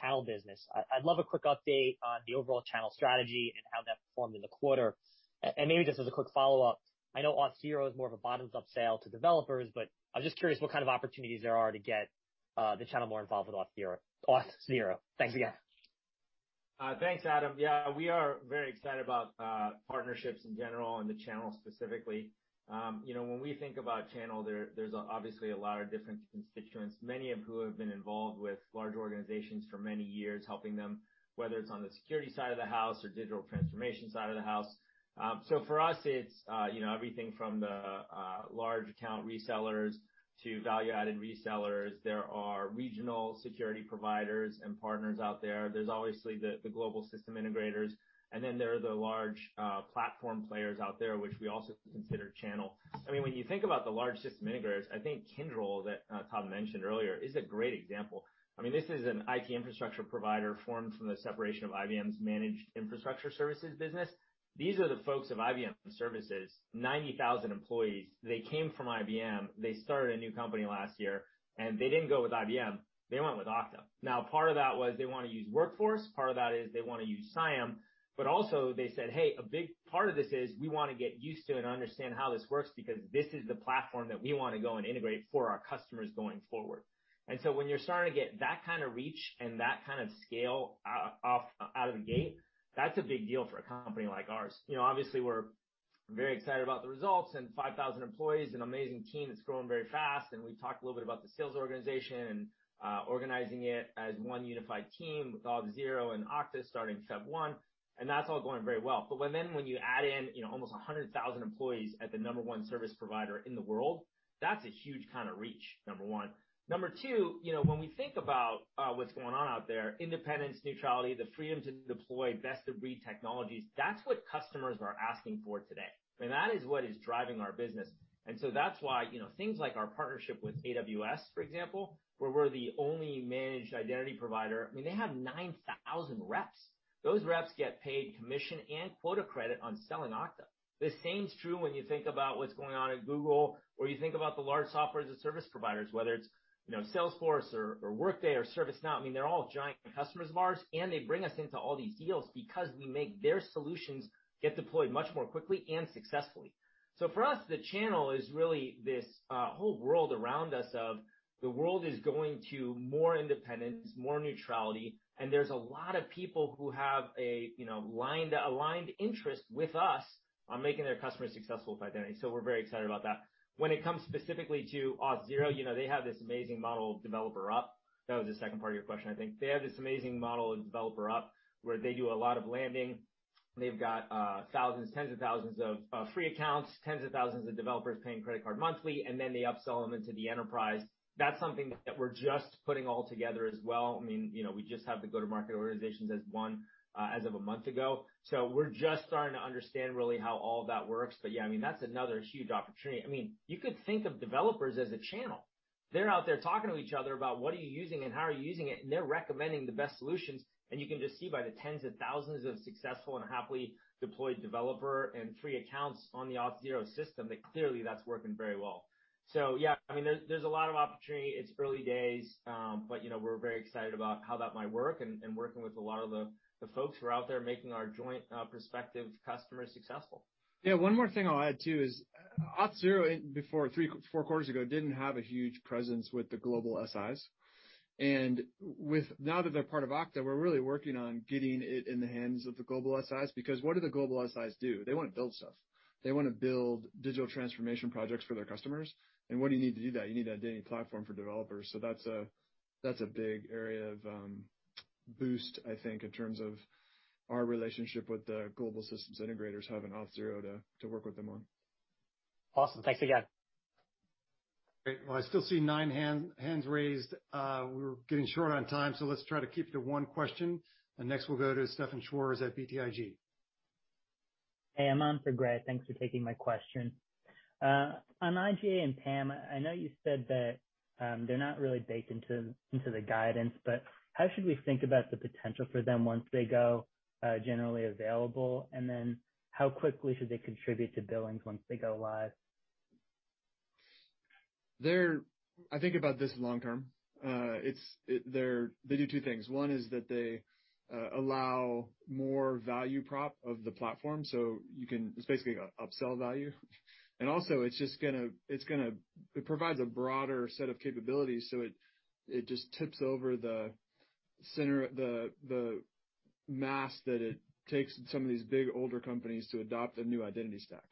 channel business. I'd love a quick update on the overall channel strategy and how that performed in the quarter. Maybe just as a quick follow-up, I know Auth0 is more of a bottoms-up sale to developers, but I was just curious what kind of opportunities there are to get the channel more involved with Auth0. Thanks again. Thanks, Adam. Yeah, we are very excited about partnerships in general and the channel specifically. You know, when we think about channel there's obviously a lot of different constituents, many of who have been involved with large organizations for many years, helping them, whether it's on the security side of the house or digital transformation side of the house. For us, it's you know, everything from the large account resellers to value-added resellers. There are regional security providers and partners out there. There's obviously the global system integrators, and then there are the large platform players out there, which we also consider channel. I mean, when you think about the large system integrators, I think Kyndryl that Todd mentioned earlier is a great example. I mean, this is an IT infrastructure provider formed from the separation of IBM's managed infrastructure services business. These are the folks of IBM services, 90,000 employees. They came from IBM. They started a new company last year, and they didn't go with IBM, they went with Okta. Now, part of that was they wanna use Workforce, part of that is they wanna use CIAM, but also they said, "Hey, a big part of this is we wanna get used to and understand how this works because this is the platform that we wanna go and integrate for our customers going forward." When you're starting to get that kinda reach and that kind of scale off, out of the gate, that's a big deal for a company like ours. You know, obviously we're very excited about the results and 5,000 employees, an amazing team that's growing very fast. We talked a little bit about the sales organization and organizing it as one unified team with Auth0 and Okta starting February 1, and that's all going very well. When you add in, you know, almost 100,000 employees at the number one service provider in the world, that's a huge kind of reach, number one. Number two, you know, when we think about what's going on out there, independence, neutrality, the freedom to deploy best-of-breed technologies, that's what customers are asking for today. I mean, that is what is driving our business. That's why, you know, things like our partnership with AWS, for example, where we're the only managed identity provider. I mean, they have 9,000 reps. Those reps get paid commission and quota credit on selling Okta. The same is true when you think about what's going on at Google or you think about the large software as a service providers, whether it's, you know, Salesforce or Workday or ServiceNow. I mean, they're all giant customers of ours, and they bring us into all these deals because we make their solutions get deployed much more quickly and successfully. For us, the channel is really this whole world around us of the world is going to more independence, more neutrality, and there's a lot of people who have a, you know, aligned interest with us on making their customers successful with identity. We're very excited about that. When it comes specifically to Auth0, you know, they have this amazing model of developer up. That was the 2nd part of your question, I think. They have this amazing model of developer up, where they do a lot of landing. They've got thousands, tens of thousands of free accounts, tens of thousands of developers paying credit card monthly, and then they upsell them into the enterprise. That's something that we're just putting all together as well. I mean, you know, we just have the go-to-market organizations as one, as of a month ago. We're just starting to understand really how all that works. Yeah, I mean, that's another huge opportunity. I mean, you could think of developers as a channel. They're out there talking to each other about what are you using and how are you using it, and they're recommending the best solutions. You can just see by the tens of thousands of successful and happily deployed developer and free accounts on the Auth0 system that clearly that's working very well. Yeah, I mean, there's a lot of opportunity. It's early days, but you know, we're very excited about how that might work and working with a lot of the folks who are out there making our joint prospective customers successful. Yeah. One more thing I'll add too is Auth0 before three, four quarters ago didn't have a huge presence with the Global SIs. Now that they're part of Okta, we're really working on getting it in the hands of the Global SIs because what do the Global SIs do? They wanna build stuff. They wanna build digital transformation projects for their customers. What do you need to do that? You need identity platform for developers. That's a big area of boost, I think, in terms of our relationship with the global systems integrators having Auth0 to work with them on. Awesome. Thanks again. Great. Well, I still see nine hands raised. We're getting short on time, so let's try to keep to one question. The next will go to at BTIG. Hey, Hamza for Gray. Thanks for taking my question. On IGA and PAM, I know you said that they're not really baked into the guidance, but how should we think about the potential for them once they go generally available? How quickly should they contribute to billings once they go live? I think about this long term. They do two things. One is that they allow more value prop of the platform, so you can. It's basically an upsell value. Also it's just gonna provide a broader set of capabilities, so it just tips over the center the mass that it takes some of these big older companies to adopt a new identity stack.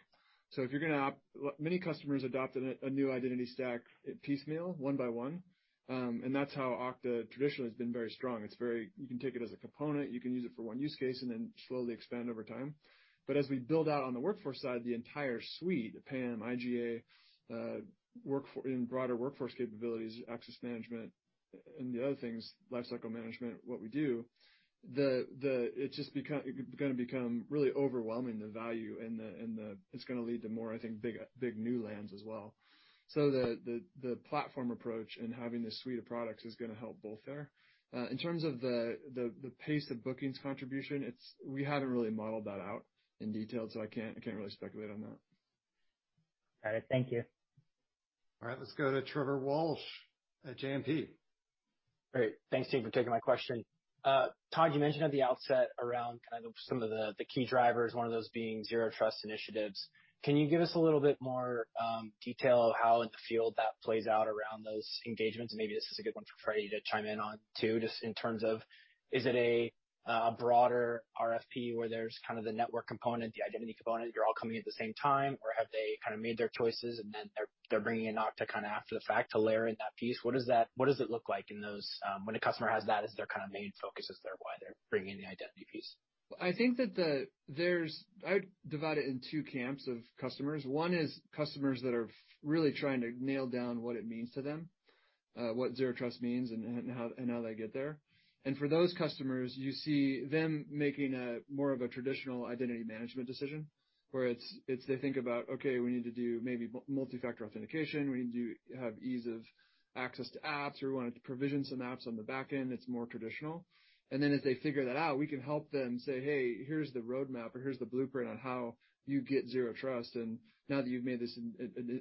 Many customers adopt a new identity stack piecemeal one by one, and that's how Okta traditionally has been very strong. It's very, you can take it as a component, you can use it for one use case, and then slowly expand over time. As we build out on the workforce side, the entire suite, the PAM, IGA, in broader workforce capabilities, access management, and the other things, lifecycle management, what we do, gonna become really overwhelming, the value and the. It's gonna lead to more, I think, big new lands as well. So the platform approach and having this suite of products is gonna help both there. In terms of the pace of bookings contribution, we haven't really modeled that out in detail, so I can't really speculate on that. Got it. Thank you. All right. Let's go to Trevor Walsh at JMP. Great. Thanks, team, for taking my question. Todd, you mentioned at the outset around kind of some of the key drivers, one of those being Zero Trust initiatives. Can you give us a little bit more detail of how in the field that plays out around those engagements? Maybe this is a good one for Frederic to chime in on too, just in terms of, is it a broader RFP where there's kind of the network component, the identity component, you're all coming at the same time? Or have they kind of made their choices, and then they're bringing in Okta kinda after the fact to layer in that piece? What does it look like in those when a customer has that as their kind of main focus as their why they're bringing the identity piece? I think that I would divide it in two camps of customers. One is customers that are really trying to nail down what it means to them, what Zero Trust means and how they get there. For those customers, you see them making more of a traditional identity management decision, where it's they think about, okay, we need to do maybe multifactor authentication. We need to have ease of access to apps. We wanna provision some apps on the back end. It's more traditional. Then as they figure that out, we can help them say, "Hey, here's the roadmap," or, "Here's the blueprint on how you get Zero Trust. Now that you've made this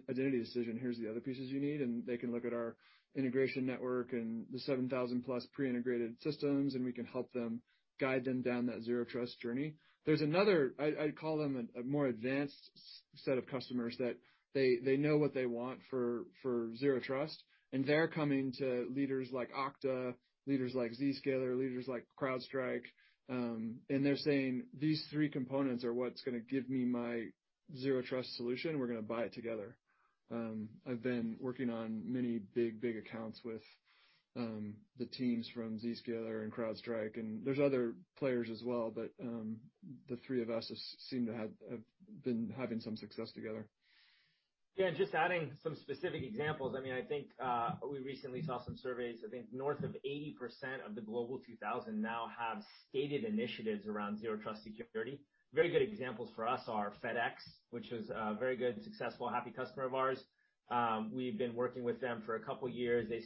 identity decision, here's the other pieces you need." They can look at our integration network and the 7,000+ pre-integrated systems, and we can help them guide them down that Zero Trust journey. There's another, I call them a more advanced set of customers that they know what they want for Zero Trust, and they're coming to leaders like Okta, leaders like Zscaler, leaders like CrowdStrike, and they're saying, "These three components are what's gonna give me my Zero Trust solution. We're gonna buy it together." I've been working on many big accounts with the teams from Zscaler and CrowdStrike, and there's other players as well, but the three of us seem to have been having some success together. Yeah, just adding some specific examples. I mean, I think we recently saw some surveys. I think north of 80% of the Global 2000 now have stated initiatives around Zero Trust security. Very good examples for us are FedEx, which is a very good, successful, happy customer of ours. We've been working with them for a couple years. They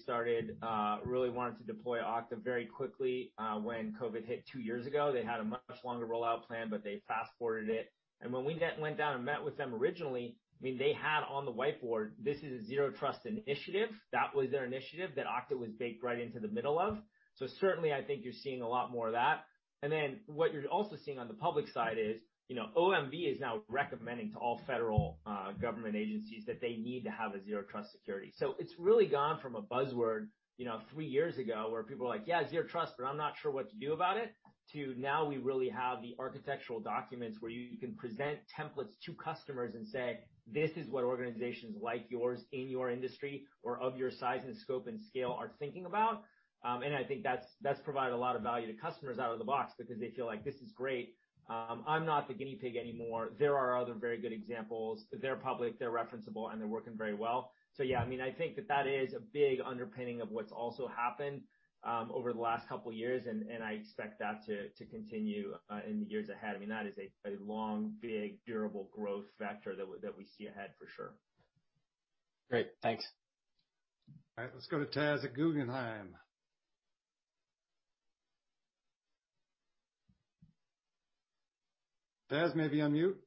really wanted to deploy Okta very quickly when COVID hit two years ago. They had a much longer rollout plan, but they fast-forwarded it. When we went down and met with them originally, I mean, they had on the whiteboard, "This is a Zero Trust initiative." That was their initiative that Okta was baked right into the middle of. Certainly, I think you're seeing a lot more of that. What you're also seeing on the public side is, you know, OMB is now recommending to all federal government agencies that they need to have a Zero Trust security. It's really gone from a buzzword, you know, three years ago, where people were like, "Yeah, Zero Trust, but I'm not sure what to do about it," to now we really have the architectural documents where you can present templates to customers and say, "This is what organizations like yours in your industry or of your size and scope and scale are thinking about." I think that's provided a lot of value to customers out of the box because they feel like, "This is great. I'm not the guinea pig anymore. There are other very good examples. They're public, they're referenceable, and they're working very well." Yeah, I mean, I think that that is a big underpinning of what's also happened, over the last couple years, and I expect that to continue, in the years ahead. I mean, that is a long, big, durable growth factor that we see ahead for sure. Great. Thanks. All right. Let's go to Taz at Guggenheim. Taz, maybe on mute.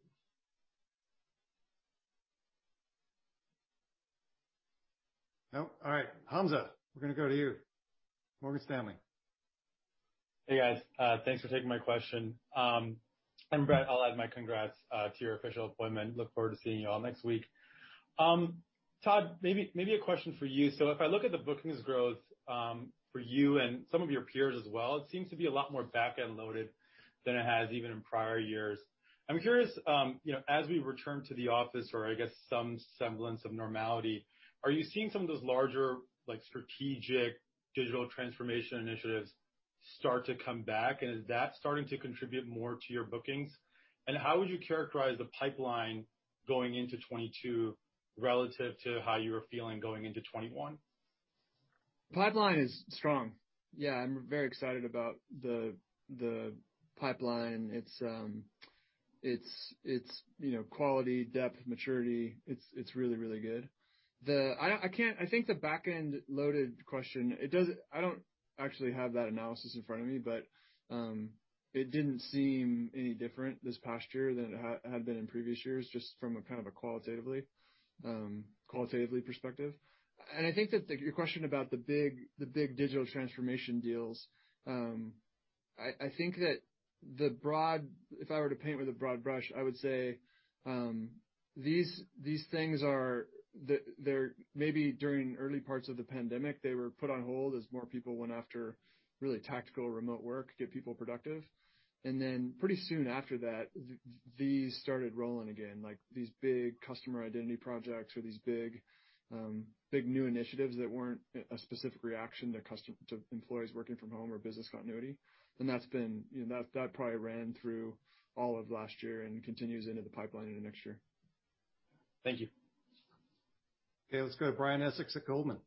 No? All right. Hamza, we're gonna go to you. Morgan Stanley. Hey, guys. Thanks for taking my question. Brett, I'll add my congrats to your official appointment. Look forward to seeing you all next week. Todd, maybe a question for you. If I look at the bookings growth for you and some of your peers as well, it seems to be a lot more back-end loaded than it has even in prior years. I'm curious, you know, as we return to the office or, I guess, some semblance of normality, are you seeing some of those larger, like, strategic digital transformation initiatives start to come back? Is that starting to contribute more to your bookings? How would you characterize the pipeline going into 2022 relative to how you were feeling going into 2021? Pipeline is strong. Yeah, I'm very excited about the pipeline. It's you know quality, depth, maturity. It's really good. I think the back-loaded question. I don't actually have that analysis in front of me, but it didn't seem any different this past year than it had been in previous years, just from a kind of a qualitative perspective. I think your question about the big digital transformation deals. If I were to paint with a broad brush, I would say these things are. They're maybe during early parts of the pandemic, they were put on hold as more people went after really tactical remote work to get people productive. Pretty soon after that, these started rolling again, like these big customer identity projects or these big new initiatives that weren't a specific reaction to employees working from home or business continuity. That's been, you know, that probably ran through all of last year and continues into the pipeline into next year. Thank you. Okay, let's go to Brian Essex at Goldman Sachs.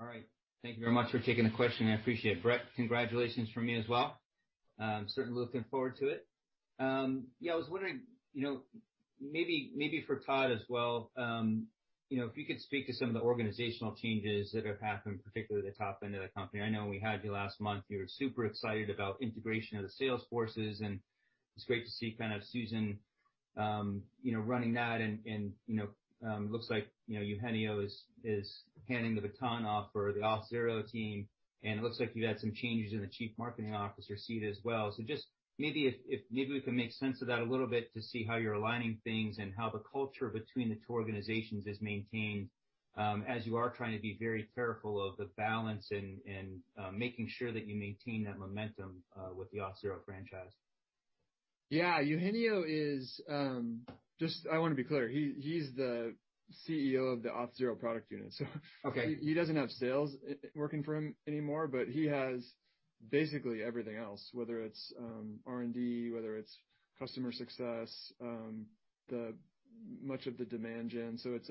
All right. Thank you very much for taking the question. I appreciate it. Brett, congratulations from me as well. Certainly looking forward to it. Yeah, I was wondering, you know, maybe for Todd as well, you know, if you could speak to some of the organizational changes that have happened, particularly at the top end of the company. I know when we had you last month, you were super excited about integration of the sales forces, and it's great to see kind of Susan, you know, running that. You know, looks like, you know, Eugenio is handing the baton off for the Auth0 team, and it looks like you've had some changes in the Chief Marketing Officer seat as well. Just maybe if we can make sense of that a little bit to see how you're aligning things and how the culture between the two organizations is maintained, as you are trying to be very careful of the balance and making sure that you maintain that momentum with the Auth0 franchise. Yeah. Eugenio is just I wanna be clear. He is the CEO of the Auth0 product unit, so Okay. He doesn't have sales working for him anymore, but he has basically everything else, whether it's R&D, whether it's customer success, much of the demand gen. It's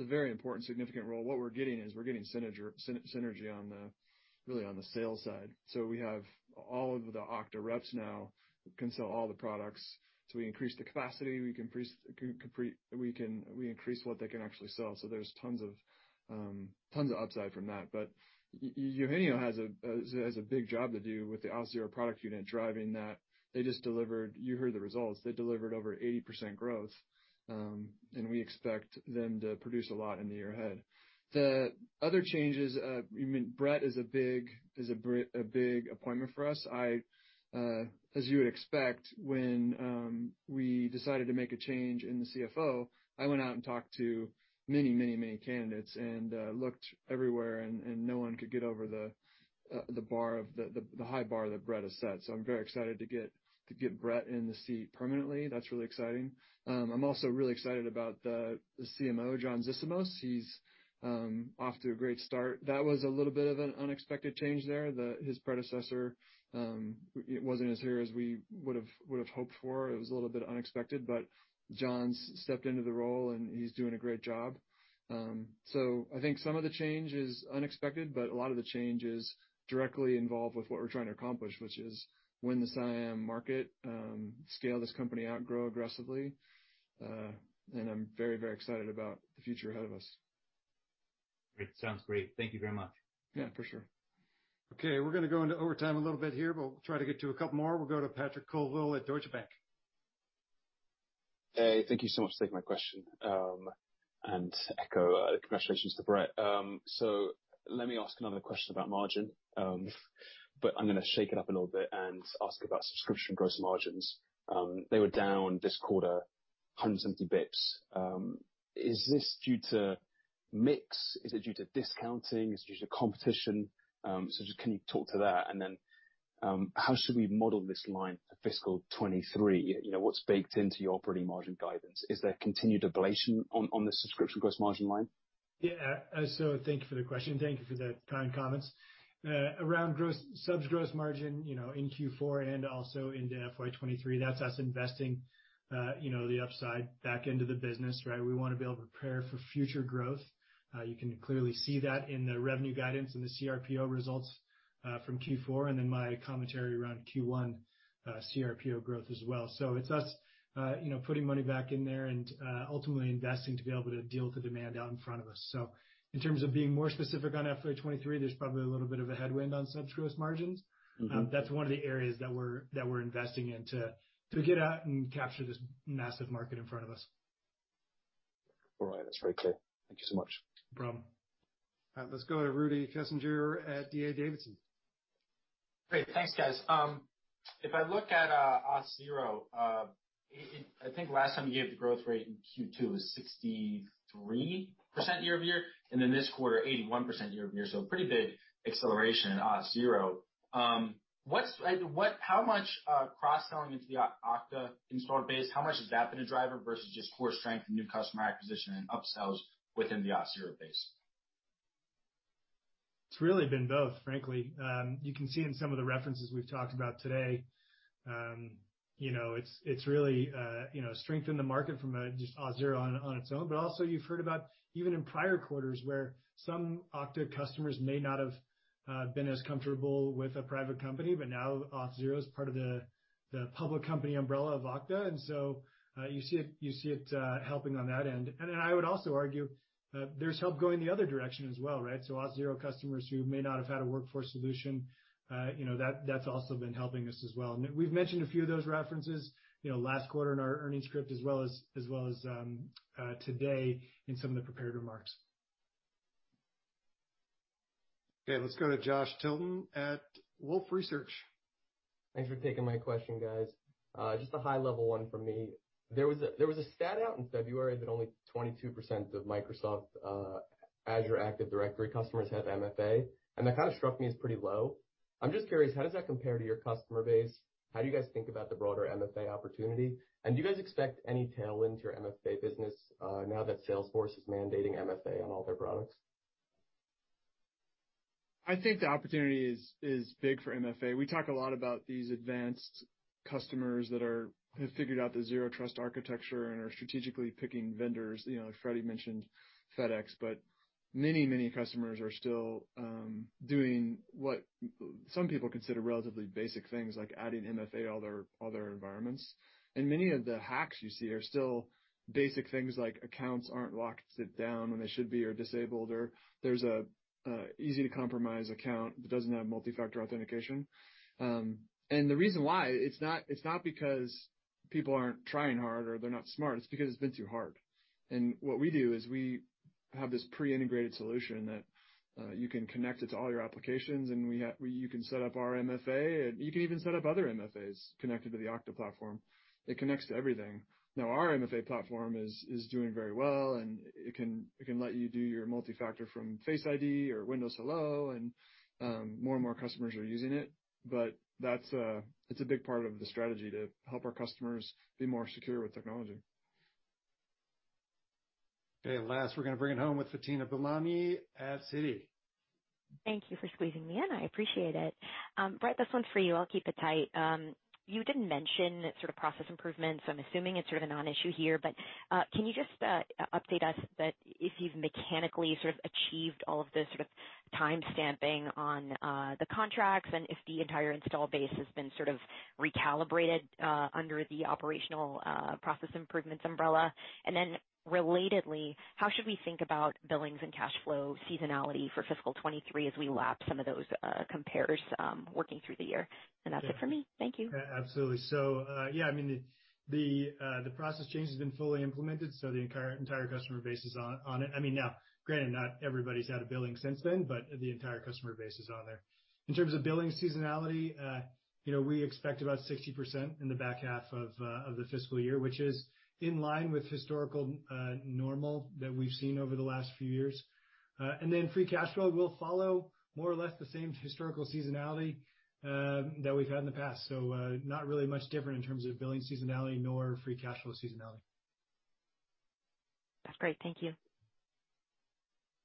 a very important, significant role. What we're getting is synergy really on the sales side. We have all of the Okta reps now can sell all the products. We increase the capacity, we increase what they can actually sell. There's tons of upside from that. Eugenio has a big job to do with the Auth0 product unit, driving that. They just delivered. You heard the results. They delivered over 80% growth, and we expect them to produce a lot in the year ahead. The other changes, Brett is a big appointment for us. As you would expect, when we decided to make a change in the CFO, I went out and talked to many candidates and looked everywhere and no one could get over the high bar that Brett has set. I'm very excited to get Brett in the seat permanently. That's really exciting. I'm also really excited about the CMO, John Zissimos. He's off to a great start. That was a little bit of an unexpected change there. His predecessor wasn't as here as we would've hoped for. It was a little bit unexpected. John's stepped into the role, and he's doing a great job. I think some of the change is unexpected, but a lot of the change is directly involved with what we're trying to accomplish, which is win the CIAM market, scale this company out, grow aggressively. I'm very, very excited about the future ahead of us. It sounds great. Thank you very much. Yeah, for sure. Okay, we're gonna go into overtime a little bit here. We'll try to get to a couple more. We'll go to Patrick Colville at Deutsche Bank. Hey, thank you so much for taking my question. Echoing congratulations to Brett. Let me ask another question about margin, but I'm gonna shake it up a little bit and ask about subscription gross margins. They were down this quarter 170 basis points. Is this due to mix? Is it due to discounting? Is it due to competition? Just, can you talk to that? Then, how should we model this line for fiscal 2023? You know, what's baked into your operating margin guidance? Is there continued ablation on the subscription gross margin line? Yeah. Thank you for the question. Thank you for the kind comments. Around subs gross margin, you know, in Q4 and also into FY 2023, that's us investing, you know, the upside back into the business, right? We wanna be able to prepare for future growth. You can clearly see that in the revenue guidance and the CRPO results from Q4 and then my commentary around Q1 CRPO growth as well. It's us, you know, putting money back in there and ultimately investing to be able to deal with the demand out in front of us. In terms of being more specific on FY 2023, there's probably a little bit of a headwind on subs gross margins. Mm-hmm. That's one of the areas that we're investing in to get out and capture this massive market in front of us. All right. That's very clear. Thank you so much. No problem. Let's go to Rudy Kessinger at D.A. Davidson. Great. Thanks, guys. If I look at Auth0, I think last time you gave the growth rate in Q2 was 63% year-over-year, and then this quarter, 81% year-over-year, so pretty big acceleration in Auth0. Like, what—how much cross-selling into the Okta installed base, how much has that been a driver versus just core strength and new customer acquisition and upsells within the Auth0 base? It's really been both, frankly. You can see in some of the references we've talked about today, you know, it's really, you know, strength in the market from just Auth0 on its own. You've heard about even in prior quarters where some Okta customers may not have been as comfortable with a private company, but now Auth0 is part of the public company umbrella of Okta. You see it helping on that end. I would also argue there's help going the other direction as well, right? Auth0 customers who may not have had a workforce solution, you know, that's also been helping us as well. We've mentioned a few of those references, you know, last quarter in our earnings script as well as today in some of the prepared remarks. Okay, let's go to Joshua Tilton at Wolfe Research. Thanks for taking my question, guys. Just a high level one from me. There was a stat out in February that only 22% of Microsoft Azure Active Directory customers have MFA, and that kind of struck me as pretty low. I'm just curious, how does that compare to your customer base? How do you guys think about the broader MFA opportunity? Do you guys expect any tailwind to your MFA business, now that Salesforce is mandating MFA on all their products? I think the opportunity is big for MFA. We talk a lot about these advanced customers that have figured out the Zero Trust architecture and are strategically picking vendors, you know. Frederic mentioned FedEx. Many customers are still doing what some people consider relatively basic things like adding MFA to all their environments. Many of the hacks you see are still basic things like accounts aren't locked down when they should be or disabled or there's an easy to compromise account that doesn't have multi-factor authentication. The reason why it's not is not because people aren't trying hard or they're not smart. It's because it's been too hard. What we do is we have this pre-integrated solution that you can connect it to all your applications, and you can set up our MFA, and you can even set up other MFAs connected to the Okta platform. It connects to everything. Now, our MFA platform is doing very well, and it can let you do your multi-factor from Face ID or Windows Hello, and more and more customers are using it. That's a big part of the strategy to help our customers be more secure with technology. Okay, last, we're gonna bring it home with Fatima Boolani at Citi. Thank you for squeezing me in. I appreciate it. Brett, this one's for you. I'll keep it tight. You didn't mention sort of process improvements, so I'm assuming it's sort of a non-issue here. Can you just update us that if you've mechanically sort of achieved all of the sort of timestamping on the contracts and if the entire installed base has been sort of recalibrated under the operational process improvements umbrella? Then relatedly, how should we think about billings and cash flow seasonality for fiscal 2023 as we lap some of those compares working through the year? That's it for me. Thank you. Yeah, absolutely. Yeah, I mean, the process change has been fully implemented, so the entire customer base is on it. I mean, now, granted, not everybody's had a billing since then, but the entire customer base is on there. In terms of billing seasonality, you know, we expect about 60% in the back half of the fiscal year, which is in line with historical normal that we've seen over the last few years. Then free cash flow will follow more or less the same historical seasonality that we've had in the past. Not really much different in terms of billing seasonality nor free cash flow seasonality. That's great. Thank you.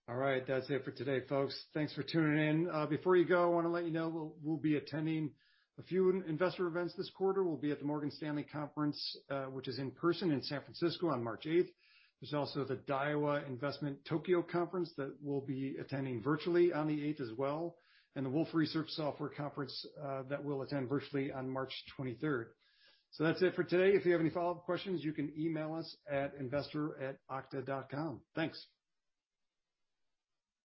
All right. That's it for today, folks. Thanks for tuning in. Before you go, I wanna let you know we'll be attending a few investor events this quarter. We'll be at the Morgan Stanley conference, which is in person in San Francisco on March 8th. There's also the Daiwa Investment Tokyo conference that we'll be attending virtually on the 8th as well, and the Wolfe Research Software conference that we'll attend virtually on March 23rd. That's it for today. If you have any follow-up questions, you can email us at investor@okta.com. Thanks.